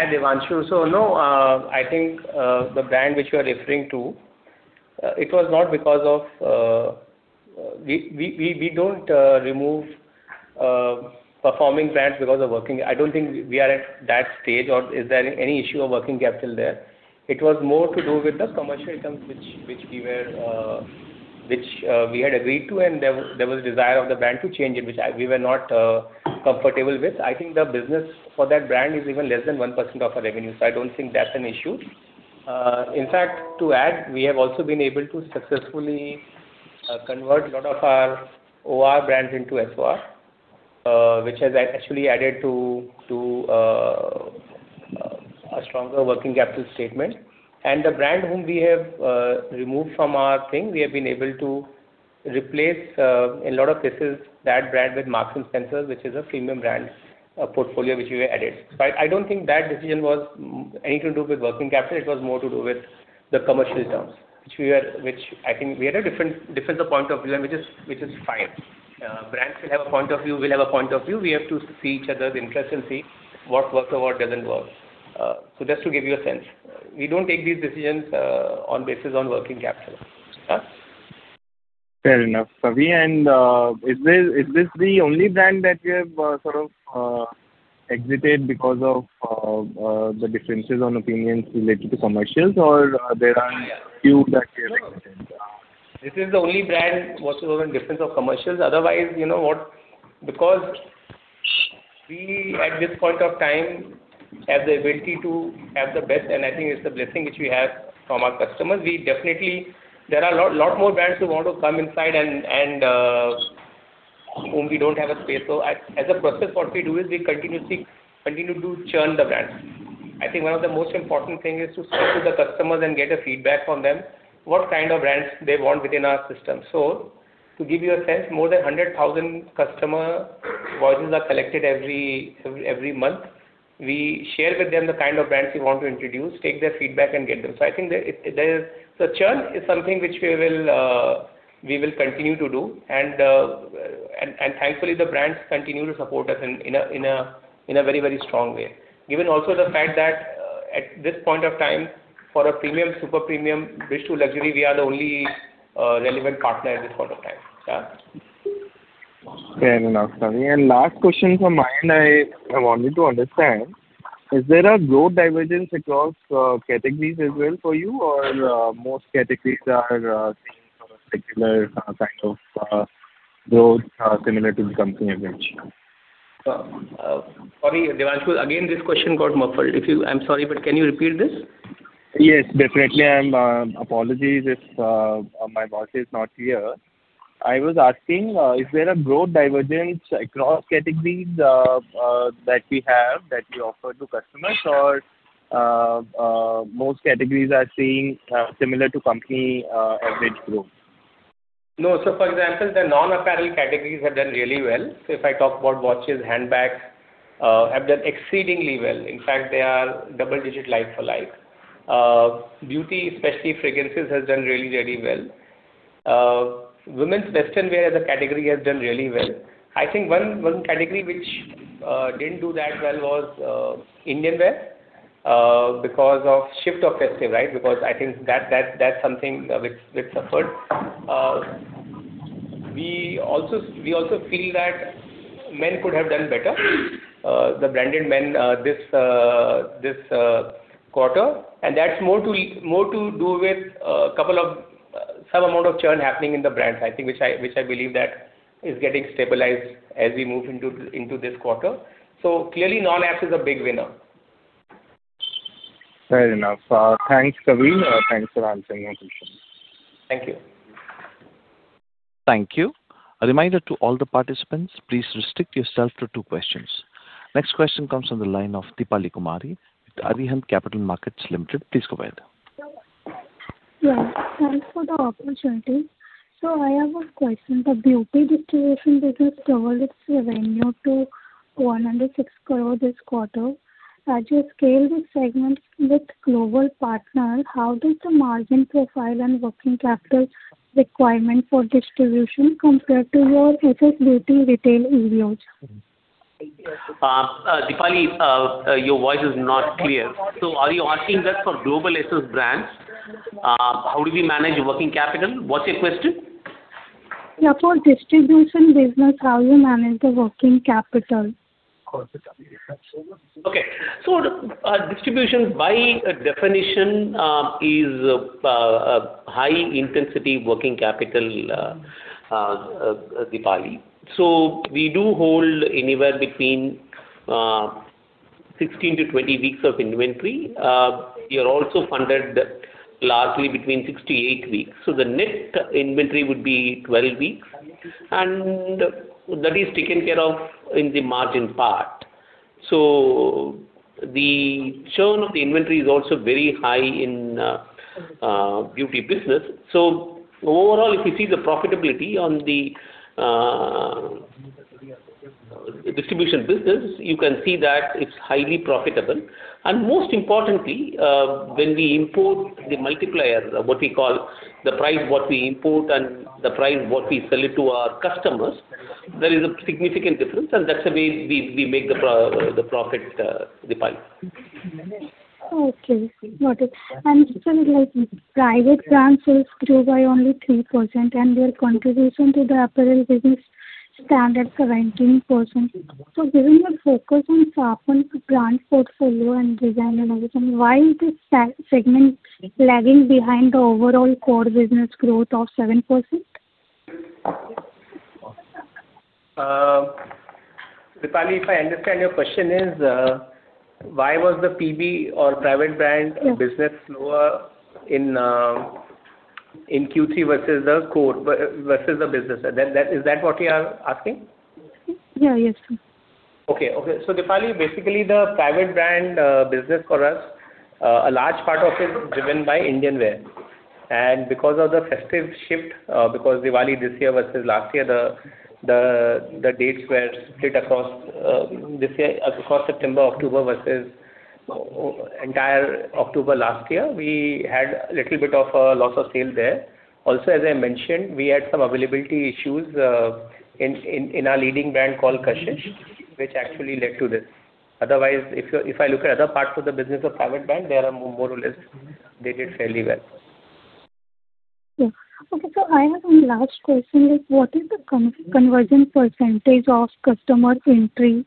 Devanshu. So no, I think the brand which you are referring to, it was not because of we don't remove performing brands because of working. I don't think we are at that stage or is there any issue of working capital there. It was more to do with the commercial items which we had agreed to, and there was a desire of the brand to change it, which we were not comfortable with. I think the business for that brand is even less than 1% of our revenue. So I don't think that's an issue. In fact, to add, we have also been able to successfully convert a lot of our OR brands into SOR, which has actually added to a stronger working capital statement. The brand whom we have removed from our thing, we have been able to replace in a lot of cases that brand with Maxim Sensor, which is a premium brand portfolio which we added. I don't think that decision was anything to do with working capital. It was more to do with the commercial terms, which I think we had a different point of view, which is fine. Brands will have a point of view. We'll have a point of view. We have to see each other's interests and see what works or what doesn't work. Just to give you a sense, we don't take these decisions on the basis of working capital. Fair enough. Kavindra, is this the only brand that you have sort of exited because of the differences on opinions related to commercials, or there are a few that you have exited? This is the only brand what was in difference of commercials. Otherwise, because we at this point of time have the ability to have the best, and I think it's the blessing which we have from our customers, we definitely there are a lot more brands who want to come inside and whom we don't have a space. So as a process, what we do is we continue to churn the brands. I think one of the most important things is to speak to the customers and get feedback from them what kind of brands they want within our system. So to give you a sense, more than 100,000 customer voices are collected every month. We share with them the kind of brands we want to introduce, take their feedback, and get them. So I think the churn is something which we will continue to do. And thankfully, the brands continue to support us in a very, very strong way. Given also the fact that at this point of time, for a premium, super premium Bridge to Luxury, we are the only relevant partner at this point of time. Fair enough, Kavindra. And last question from my end, I wanted to understand, is there a growth divergence across categories as well for you, or most categories are seeing sort of a particular kind of growth similar to the company average? Sorry, Devang. Again, this question got muffled. I'm sorry, but can you repeat this? Yes, definitely. Apologies if my voice is not clear. I was asking, is there a growth divergence across categories that we offer to customers, or most categories are seeing similar to company average growth? No. So, for example, the non-apparel categories have done really well. So if I talk about watches, handbags, have done exceedingly well. In fact, they are double-digit like-for-like. Beauty, especially fragrances, has done really, really well. Women's western wear as a category has done really well. I think one category which didn't do that well was Indian wear because of shift of festive, right? Because I think that's something which suffered. We also feel that men could have done better, the branded men this quarter. And that's more to do with a couple of some amount of churn happening in the brands, I think, which I believe that is getting stabilized as we move into this quarter. So clearly, non-apps is a big winner. Fair enough. Thanks, Kavindra. Thanks for answering my question. Thank you. Thank you. A reminder to all the participants, please restrict yourself to two questions. Next question comes from the line of Deepali Kumari with Arihant Capital Markets Limited. Please go ahead. Thanks for the opportunity. So I have a question. The GSSB distribution business doubled its revenue to 106 crores this quarter. As you scale the segments with global partners, how does the margin profile and working capital requirement for distribution compare to your SS Beauty retail areas? Deepali, your voice is not clear. So are you asking that for global SS brands? How do we manage working capital? What's your question? Yeah. For distribution business, how do you manage the working capital? Okay. So distribution, by definition, is high-intensity working capital, Deepali. So we do hold anywhere between 16 to 20 weeks of inventory. We are also funded largely between 6 to 8 weeks. So the net inventory would be 12 weeks. And that is taken care of in the margin part. So the churn of the inventory is also very high in beauty business. So overall, if you see the profitability on the distribution business, you can see that it's highly profitable. And most importantly, when we import the multiplier, what we call the price what we import and the price what we sell it to our customers, there is a significant difference. And that's the way we make the profit, Deepali. Okay. Got it. And still, private brands sell through by only 3%, and their contribution to the apparel business stands at 19%. So given your focus on Stop in brand portfolio and design and everything, why is this segment lagging behind the overall core business growth of 7%? Deepali, if I understand your question, why was the PB or private brand business slower in Q3 versus the business? Is that what you are asking? Yeah, yes. Okay. Okay. So Deepali, basically, the private brand business for us, a large part of it is driven by Indian wear. And because of the festive shift, because Diwali this year versus last year, the dates were split across September, October versus entire October last year, we had a little bit of a loss of sales there. Also, as I mentioned, we had some availability issues in our leading brand called Kashish, which actually led to this. Otherwise, if I look at other parts of the business of private brand, they are more or less they did fairly well. Okay. I have one last question. What is the conversion percentage of customer entry?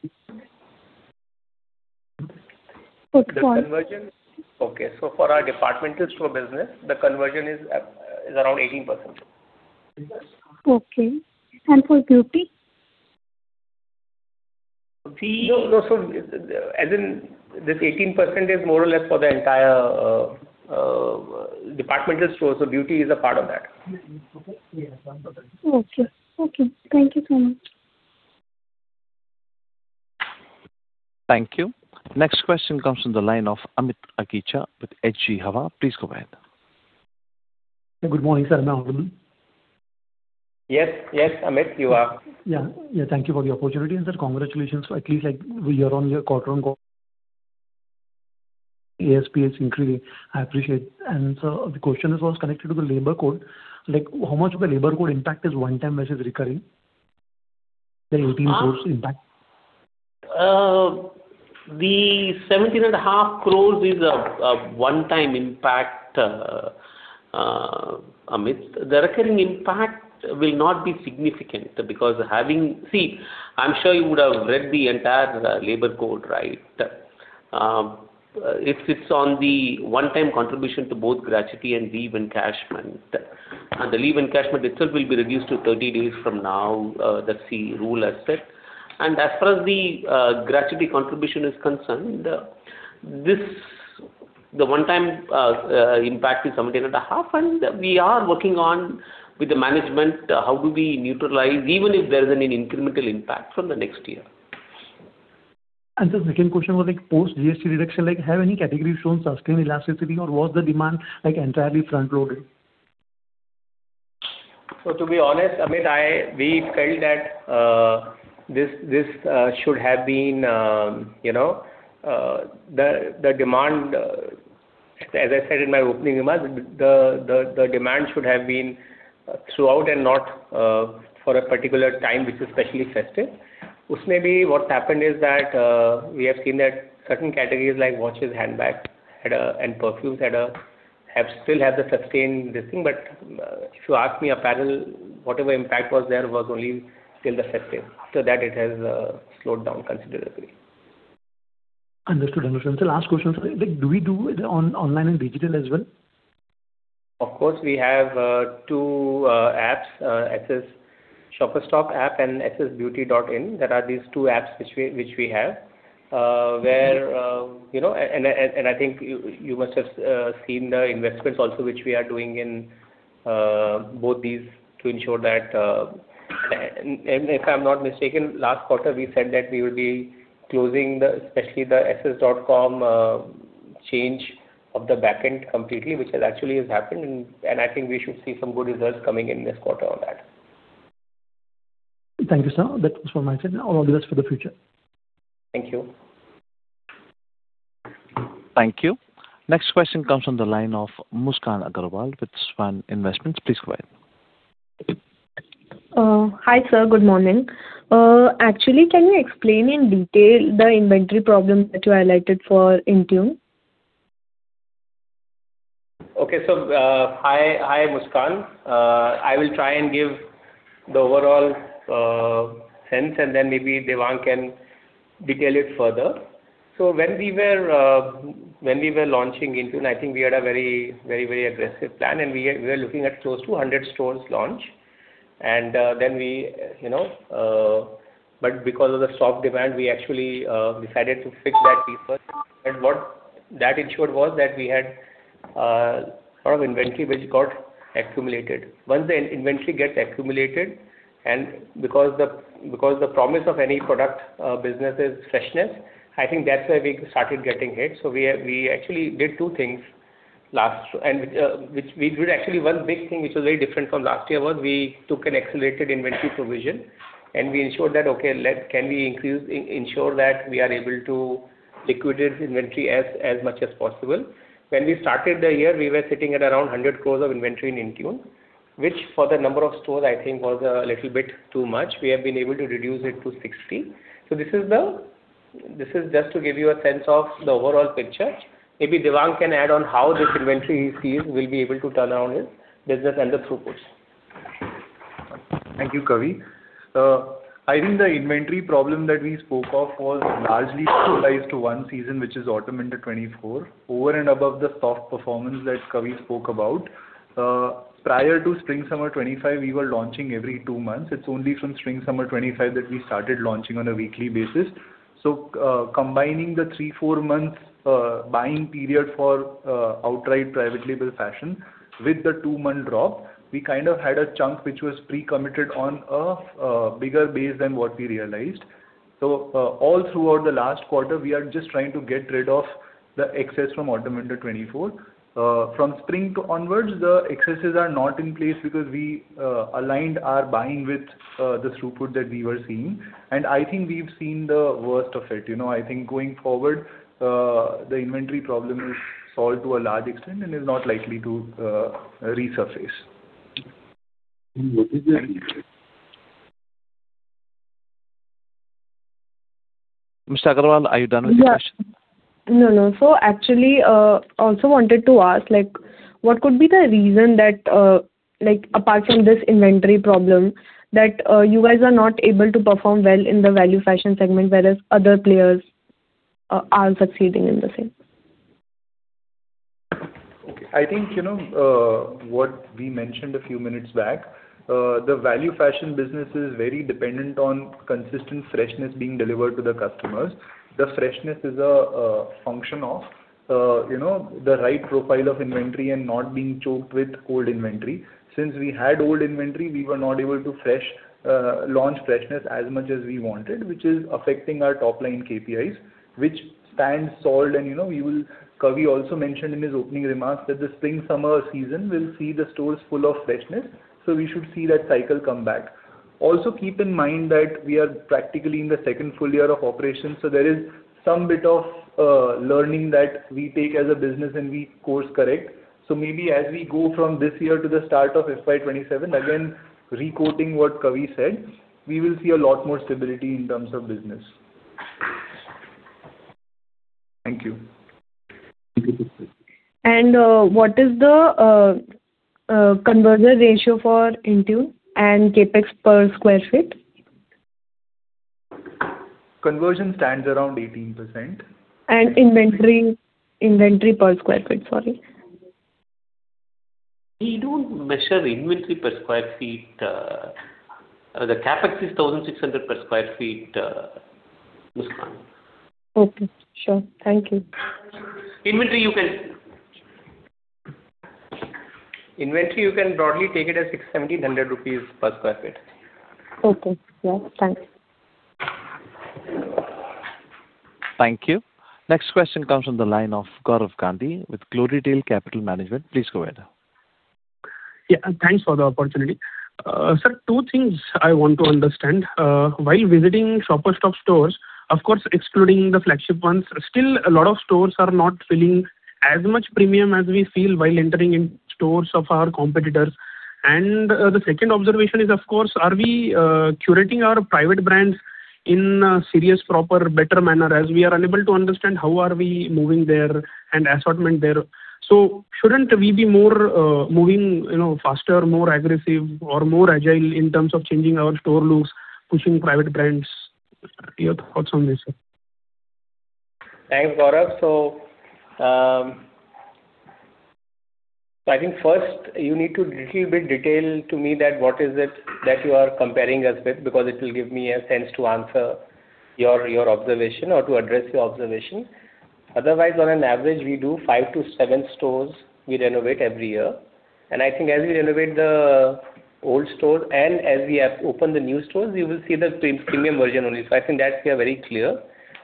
The conversion? Okay. So for our departmental store business, the conversion is around 18%. Okay. And for beauty? No, no. So as in this 18% is more or less for the entire departmental store. So beauty is a part of that. Okay. Okay. Thank you so much. Thank you. Next question comes from the line of Amit with HDFC Securities. Please go ahead. Good morning, sir. Am I audible? Yes, yes, Amit, you are. Yeah, yeah. Thank you for the opportunity. And sir, congratulations. At least you're on your quarter-on-quarter ASP is increasing. I appreciate it. And sir, the question is also connected to the Labor Codes. How much of the Labor Codes impact is one-time versus recurring? The 18 crore impact? The 17.5 crores is a one-time impact, Amit. The recurring impact will not be significant because, having seen, I'm sure you would have read the entire labor code, right? It sits on the one-time contribution to both gratuity and leave encashment. The leave encashment itself will be reduced to 30 days from now, the labor code has said. As far as the gratuity contribution is concerned, the one-time impact is 17.5, and we are working with the management on how we neutralize, even if there is an incremental impact from the next year. Sir, the second question was post-GST reduction. Have any categories shown subsidy in elasticity, or was the demand entirely front-loaded? So, to be honest, Amit, we felt that this should have been the demand, as I said in my opening remarks, the demand should have been throughout and not for a particular time, which is especially festive. What happened is that we have seen that certain categories like watches, handbags, and perfumes have still had the sustained this thing. But if you ask me, apparel, whatever impact was there was only till the festive. After that, it has slowed down considerably. Understood, understood. And sir, last question, sir, do we do it online and digital as well? Of course, we have two apps, SS Shoppers Stop app and SSBeauty.in. There are these two apps which we have, I think you must have seen the investments also which we are doing in both these to ensure that if I'm not mistaken, last quarter, we said that we will be closing especially the SS.com change of the backend completely, which has actually happened, and I think we should see some good results coming in this quarter on that. Thank you, sir. That was from my side. I'll do this for the future. Thank you. Thank you. Next question comes from the line of Muskan Agarwal with Swan Investments. Please go ahead. Hi, sir. Good morning. Actually, can you explain in detail the inventory problem that you highlighted for Intune? Okay. So hi, Muskan. I will try and give the overall sense, and then maybe Devang can detail it further. So when we were launching Intune, I think we had a very, very, very aggressive plan, and we were looking at close to 100 stores launch. And then we, but because of the soft demand, we actually decided to fix that before. And what that ensured was that we had a lot of inventory which got accumulated. Once the inventory gets accumulated, and because the promise of any product business is freshness, I think that's where we started getting hit. So we actually did two things last, and which we did actually one big thing which was very different from last year was we took an accelerated inventory provision, and we ensured that, okay, can we ensure that we are able to liquidate inventory as much as possible. When we started the year, we were sitting at around 100 crores of inventory in Intune, which for the number of stores, I think, was a little bit too much. We have been able to reduce it to 60 crores. So this is just to give you a sense of the overall picture. Maybe Devang can add on how this inventory he sees will be able to turn around his business and the throughput. Thank you, Kavi. I think the inventory problem that we spoke of was largely localized to one season, which is Autumn-Winter 2024. Over and above the soft performance that Kavi spoke about, prior to Spring Summer 2025, we were launching every two months. It's only from Spring Summer 2025 that we started launching on a weekly basis. So combining the three, four months buying period for outright private label fashion with the two-month drop, we kind of had a chunk which was pre-committed on a bigger base than what we realized. So all throughout the last quarter, we are just trying to get rid of the excess from Autumn-Winter 2024. From Spring onwards, the excesses are not in place because we aligned our buying with the throughput that we were seeing, and I think we've seen the worst of it. I think going forward, the inventory problem is solved to a large extent and is not likely to resurface. Mr. Agrawal, are you done with your question? No, no. So actually, I also wanted to ask, what could be the reason that apart from this inventory problem, that you guys are not able to perform well in the value fashion segment whereas other players are succeeding in the same? Okay. I think what we mentioned a few minutes back, the value fashion business is very dependent on consistent freshness being delivered to the customers. The freshness is a function of the right profile of inventory and not being choked with old inventory. Since we had old inventory, we were not able to launch freshness as much as we wanted, which is affecting our top-line KPIs, which stands solid, and Kavi also mentioned in his opening remarks that the Spring Summer season will see the stores full of freshness, so we should see that cycle come back. Also keep in mind that we are practically in the second full year of operation, so there is some bit of learning that we take as a business and we course correct. So maybe as we go from this year to the start of FY27, again, requoting what Kavi said, we will see a lot more stability in terms of business. Thank you. What is the conversion ratio for Intune and Capex per sq ft? Conversion stands around 18%. And inventory per square feet, sorry? We don't measure inventory per sq ft. The CapEx is 1,600 per sq ft, Muskan. Okay. Sure. Thank you. Inventory, you can broadly take it as 1,700 rupees per sq ft. Okay. Yeah. Thanks. Thank you. Next question comes from the line of Gaurav Gandhi with Glorytail Capital Management. Please go ahead. Yeah. Thanks for the opportunity. Sir, two things I want to understand. While visiting Shoppers Stop stores, of course, excluding the flagship ones, still a lot of stores are not feeling as much premium as we feel while entering in stores of our competitors. And the second observation is, of course, are we curating our private brands in a serious, proper, better manner as we are unable to understand how are we moving there and assortment there? So shouldn't we be more moving faster, more aggressive, or more agile in terms of changing our store looks, pushing private brands? Your thoughts on this, sir? Thanks, Gaurav. So I think first, you need to a little bit detail to me that what is it that you are comparing us with because it will give me a sense to answer your observation or to address your observation. Otherwise, on an average, we do five to seven stores we renovate every year. And I think as we renovate the old stores and as we open the new stores, you will see the premium version only. So I think that's very clear.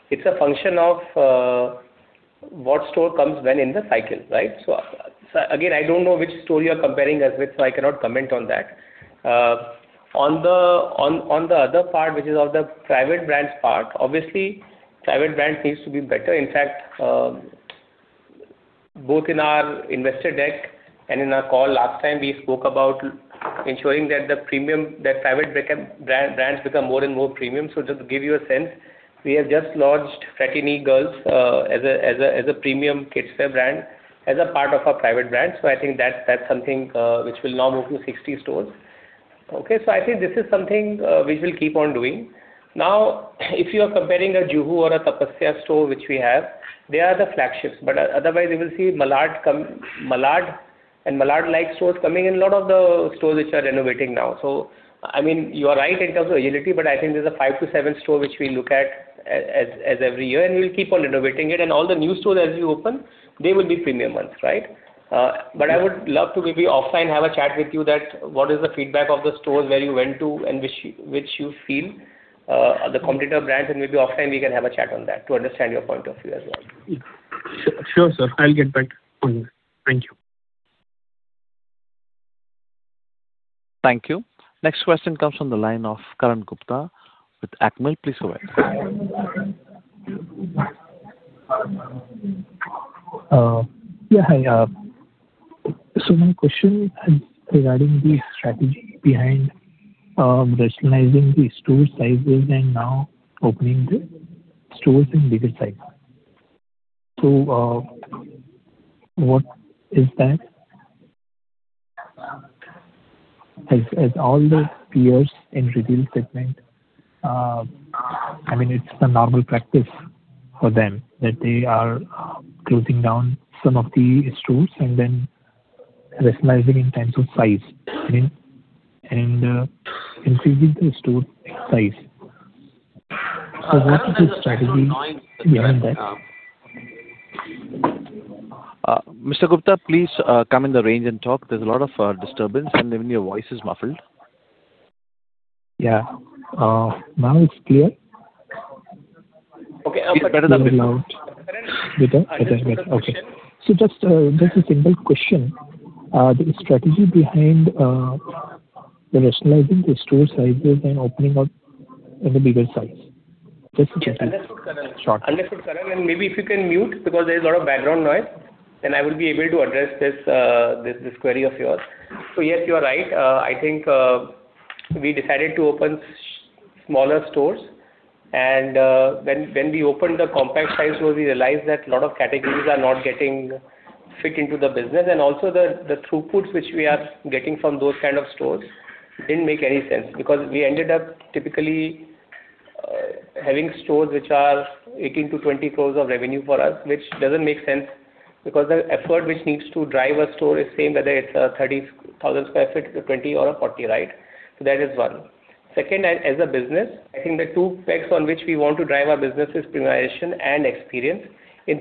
It's a function of what store comes when in the cycle, right? So again, I don't know which store you are comparing us with, so I cannot comment on that. On the other part, which is of the private brands part, obviously, private brands needs to be better. In fact, both in our investor deck and in our call last time, we spoke about ensuring that the private brands become more and more premium. So just to give you a sense, we have just launched Fratini Girls as a premium kidswear brand as a part of our private brand. So I think that's something which will now move to 60 stores. Okay. So I think this is something which we'll keep on doing. Now, if you are comparing a Juhu or a Topsia store, which we have, they are the flagships. But otherwise, you will see Malad and Malad-like stores coming in a lot of the stores which are renovating now. So I mean, you are right in terms of agility, but I think there's a five to seven store which we look at as every year, and we'll keep on innovating it. And all the new stores as we open, they will be premium ones, right? But I would love to maybe offline have a chat with you that what is the feedback of the stores where you went to and which you feel are the competitor brands. And maybe offline, we can have a chat on that to understand your point of view as well. Sure, sir. I'll get back to you. Thank you. Thank you. Next question comes from the line of Karan Gupta with Alchemy Capital Management. Please go ahead. Yeah, hi. So my question is regarding the strategy behind rationalizing the store sizes and now opening the stores in bigger sizes. So what is that? As all the peers in retail segment, I mean, it's a normal practice for them that they are closing down some of the stores and then rationalizing in terms of size and increasing the store size. So what is the strategy behind that? Mr. Gupta, please come in the range and talk. There's a lot of disturbance, and even your voice is muffled. Yeah. Now it's clear. It's better than before. Better? Better. Okay. So just a simple question. The strategy behind rationalizing the store sizes and opening up in a bigger size? Just a simple question. Understood, sir. Understood, sir. And maybe if you can mute because there is a lot of background noise, then I will be able to address this query of yours. So yes, you are right. I think we decided to open smaller stores. And when we opened the compact size, we realized that a lot of categories are not getting fit into the business. And also, the throughputs which we are getting from those kinds of stores didn't make any sense because we ended up typically having stores which are 18-20 crores of revenue for us, which doesn't make sense because the effort which needs to drive a store is the same whether it's a 30,000 sq ft, 20, or a 40, right? So that is one. Second, as a business, I think the two pegs on which we want to drive our business is premiumization and experience.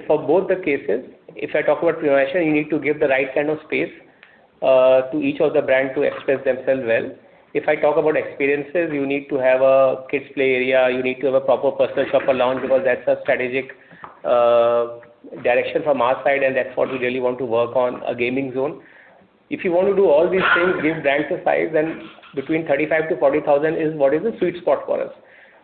For both the cases, if I talk about premiumization, you need to give the right kind of space to each of the brands to express themselves well. If I talk about experiences, you need to have a kids' play area. You need to have a proper personal shopper lounge because that's a strategic direction from our side, and that's what we really want to work on, a gaming zone. If you want to do all these things, give brands a size, then between 35,000 to 40,000 is what is the sweet spot for us.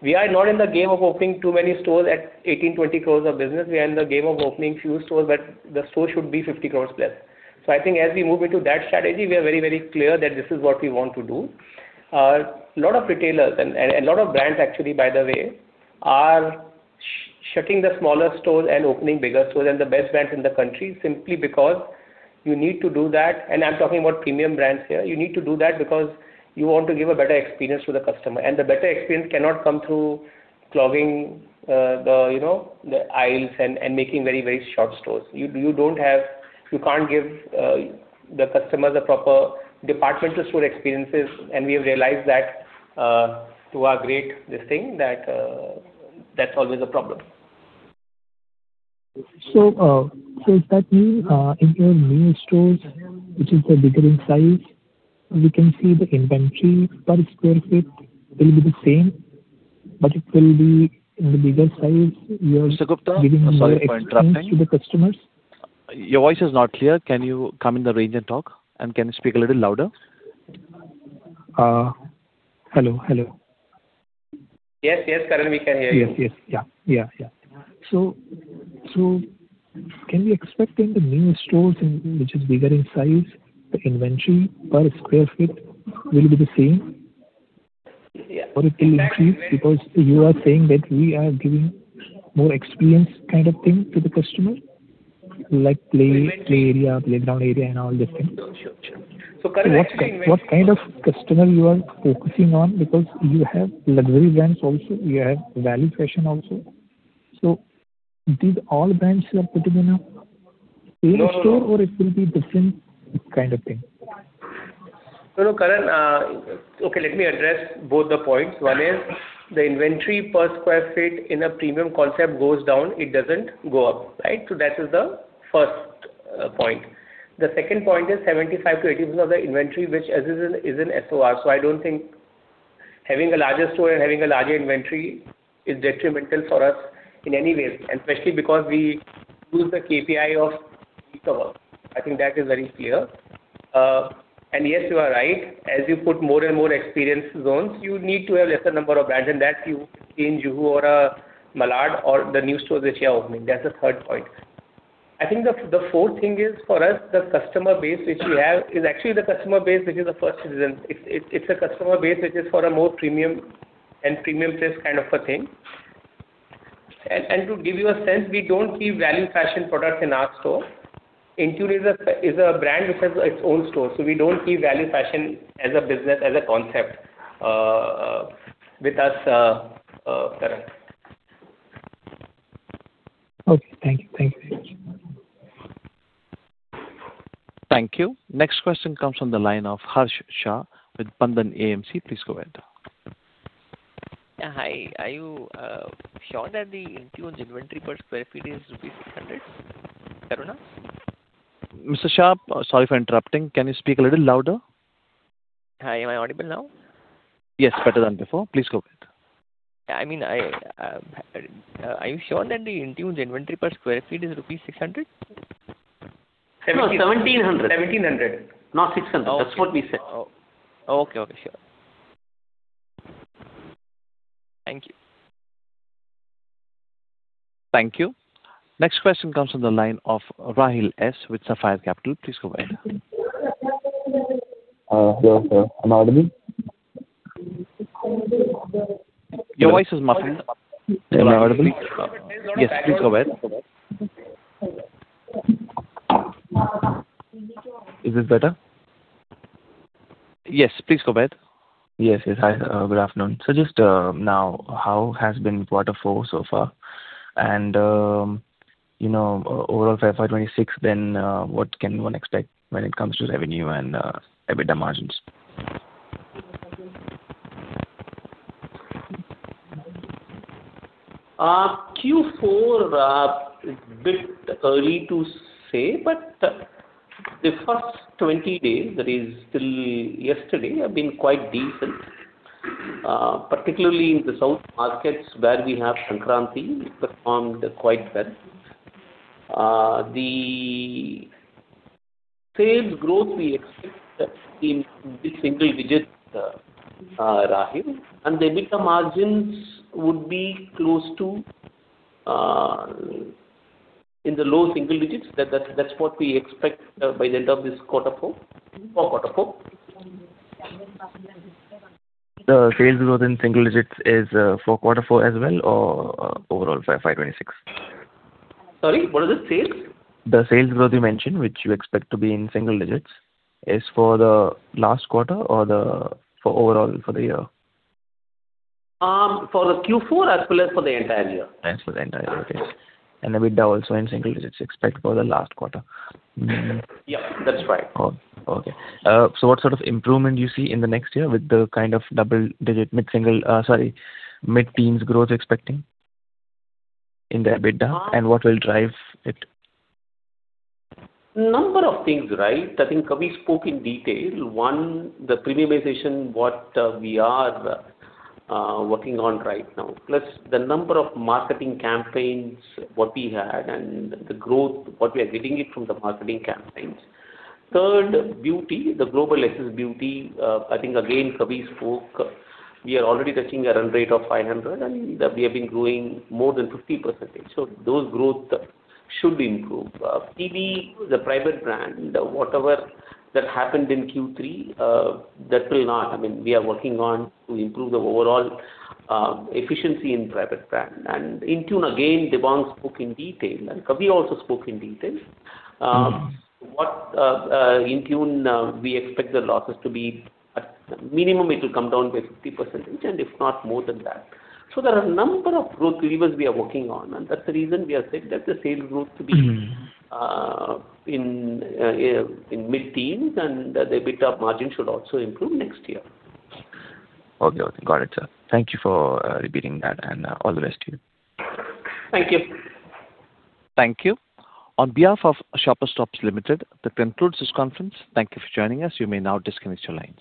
We are not in the game of opening too many stores at 18, 20 crores of business. We are in the game of opening few stores, but the store should be 50 crores plus. So I think as we move into that strategy, we are very, very clear that this is what we want to do. A lot of retailers and a lot of brands, actually, by the way, are shutting the smaller stores and opening bigger stores and the best brands in the country simply because you need to do that. And I'm talking about premium brands here. You need to do that because you want to give a better experience to the customer. And the better experience cannot come through clogging the aisles and making very, very small stores. You can't give the customers a proper departmental store experience. And we have realized that to our great detriment that that's always a problem. So does that mean in your main stores, which is the bigger in size, we can see the inventory per square foot will be the same, but it will be in the bigger size? Mr. Gupta, I'm sorry for interrupting. If you're speaking to the customers. Your voice is not clear. Can you come in the range and talk? And can you speak a little louder? Hello. Hello. Yes, yes, Karan, we can hear you. Yes, yes. Yeah, yeah, yeah. So, can we expect in the new stores, which are bigger in size, the inventory per sq ft will be the same? Or it will increase because you are saying that we are giving more experience kind of thing to the customer, like play area, playground area, and all these things? Sure, sure. What kind of customer you are focusing on because you have luxury brands also? You have value fashion also. So did all brands are putting in a same store, or it will be different kind of thing? No, no, Karan. Okay, let me address both the points. One is the inventory per square foot in a premium concept goes down. It doesn't go up, right? So that is the first point. The second point is 75%-80% of the inventory, which is in SOR. So I don't think having a larger store and having a larger inventory is detrimental for us in any way, especially because we use the KPI of e-commerce. I think that is very clear. And yes, you are right. As you put more and more experience zones, you need to have a lesser number of brands. And that's you change Juhu or a Malad or the new stores which you are opening. That's the third point. I think the fourth thing is for us, the customer base which we have is actually the customer base which is the first reason. It's a customer base which is for a more premium and premium-plus kind of a thing, and to give you a sense, we don't keep value fashion products in our store. Intune is a brand which has its own store, so we don't keep value fashion as a business, as a concept with us, Karan. Okay. Thank you. Thank you very much. Thank you. Next question comes from the line of Harsh Shah with Bandhan AMC. Please go ahead. Hi. Are you sure that the Intune's inventory per sq ft is rupees 600? Karan? Mr. Shah, sorry for interrupting. Can you speak a little louder? Hi. Am I audible now? Yes, better than before. Please go ahead. I mean, are you sure that the Intune's inventory per sq ft is rupees 600? 1,700. 1,700. Not 600. That's what we said. Okay. Okay. Sure. Thank you. Thank you. Next question comes from the line of Rahil S with Sapphire Capital. Please go ahead. Hello, sir. I'm audible? Your voice is muffled. Can you hear me? Yes, please go ahead. Is this better? Yes, please go ahead. Yes. Yes. Hi. Good afternoon. So just now, how has been Q4 so far? And overall for FY26, then what can one expect when it comes to revenue and EBITDA margins? Q4 is a bit early to say, but the first 20 days, that is till yesterday, have been quite decent, particularly in the south markets where we have Sankranti. It performed quite well. The sales growth we expect in the single digits, Rahil, and the EBITDA margins would be close to in the low single digits. That's what we expect by the end of this Q4. For Q4. The sales growth in single digits is for Q4 as well or overall for FY26? Sorry? What was it? Sales? The sales growth you mentioned, which you expect to be in single digits, is for the last quarter or for overall for the year? For the Q4 as well as for the entire year. As for the entire year. Okay. And EBITDA also in single digits expected for the last quarter. Yep. That's right. Okay. So what sort of improvement do you see in the next year with the kind of double-digit mid-single, sorry, mid-teens growth expecting in the EBITDA? And what will drive it? A number of things, right? I think we spoke in detail. One, the premiumization, what we are working on right now. Plus, the number of marketing campaigns what we had and the growth, what we are getting from the marketing campaigns. Third, beauty, the Global SS Beauty. I think, again, Kavindra spoke, we are already touching a run rate of 500, and we have been growing more than 50%. So those growth should improve. PB, the private brand, whatever that happened in Q3, that will not. I mean, we are working on to improve the overall efficiency in private brand, and Intune, again, Devang spoke in detail, and Kavindra also spoke in detail. With Intune, we expect the losses to be at minimum, it will come down to 50%, and if not, more than that. So there are a number of growth levers we are working on. That's the reason we are saying that the sales growth to be in mid-teens, and the EBITDA margin should also improve next year. Okay. Okay. Got it. Thank you for repeating that, and all the best to you. Thank you. Thank you. On behalf of Shoppers Stop Limited, that concludes this conference. Thank you for joining us. You may now disconnect your lines.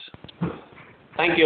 Thank you.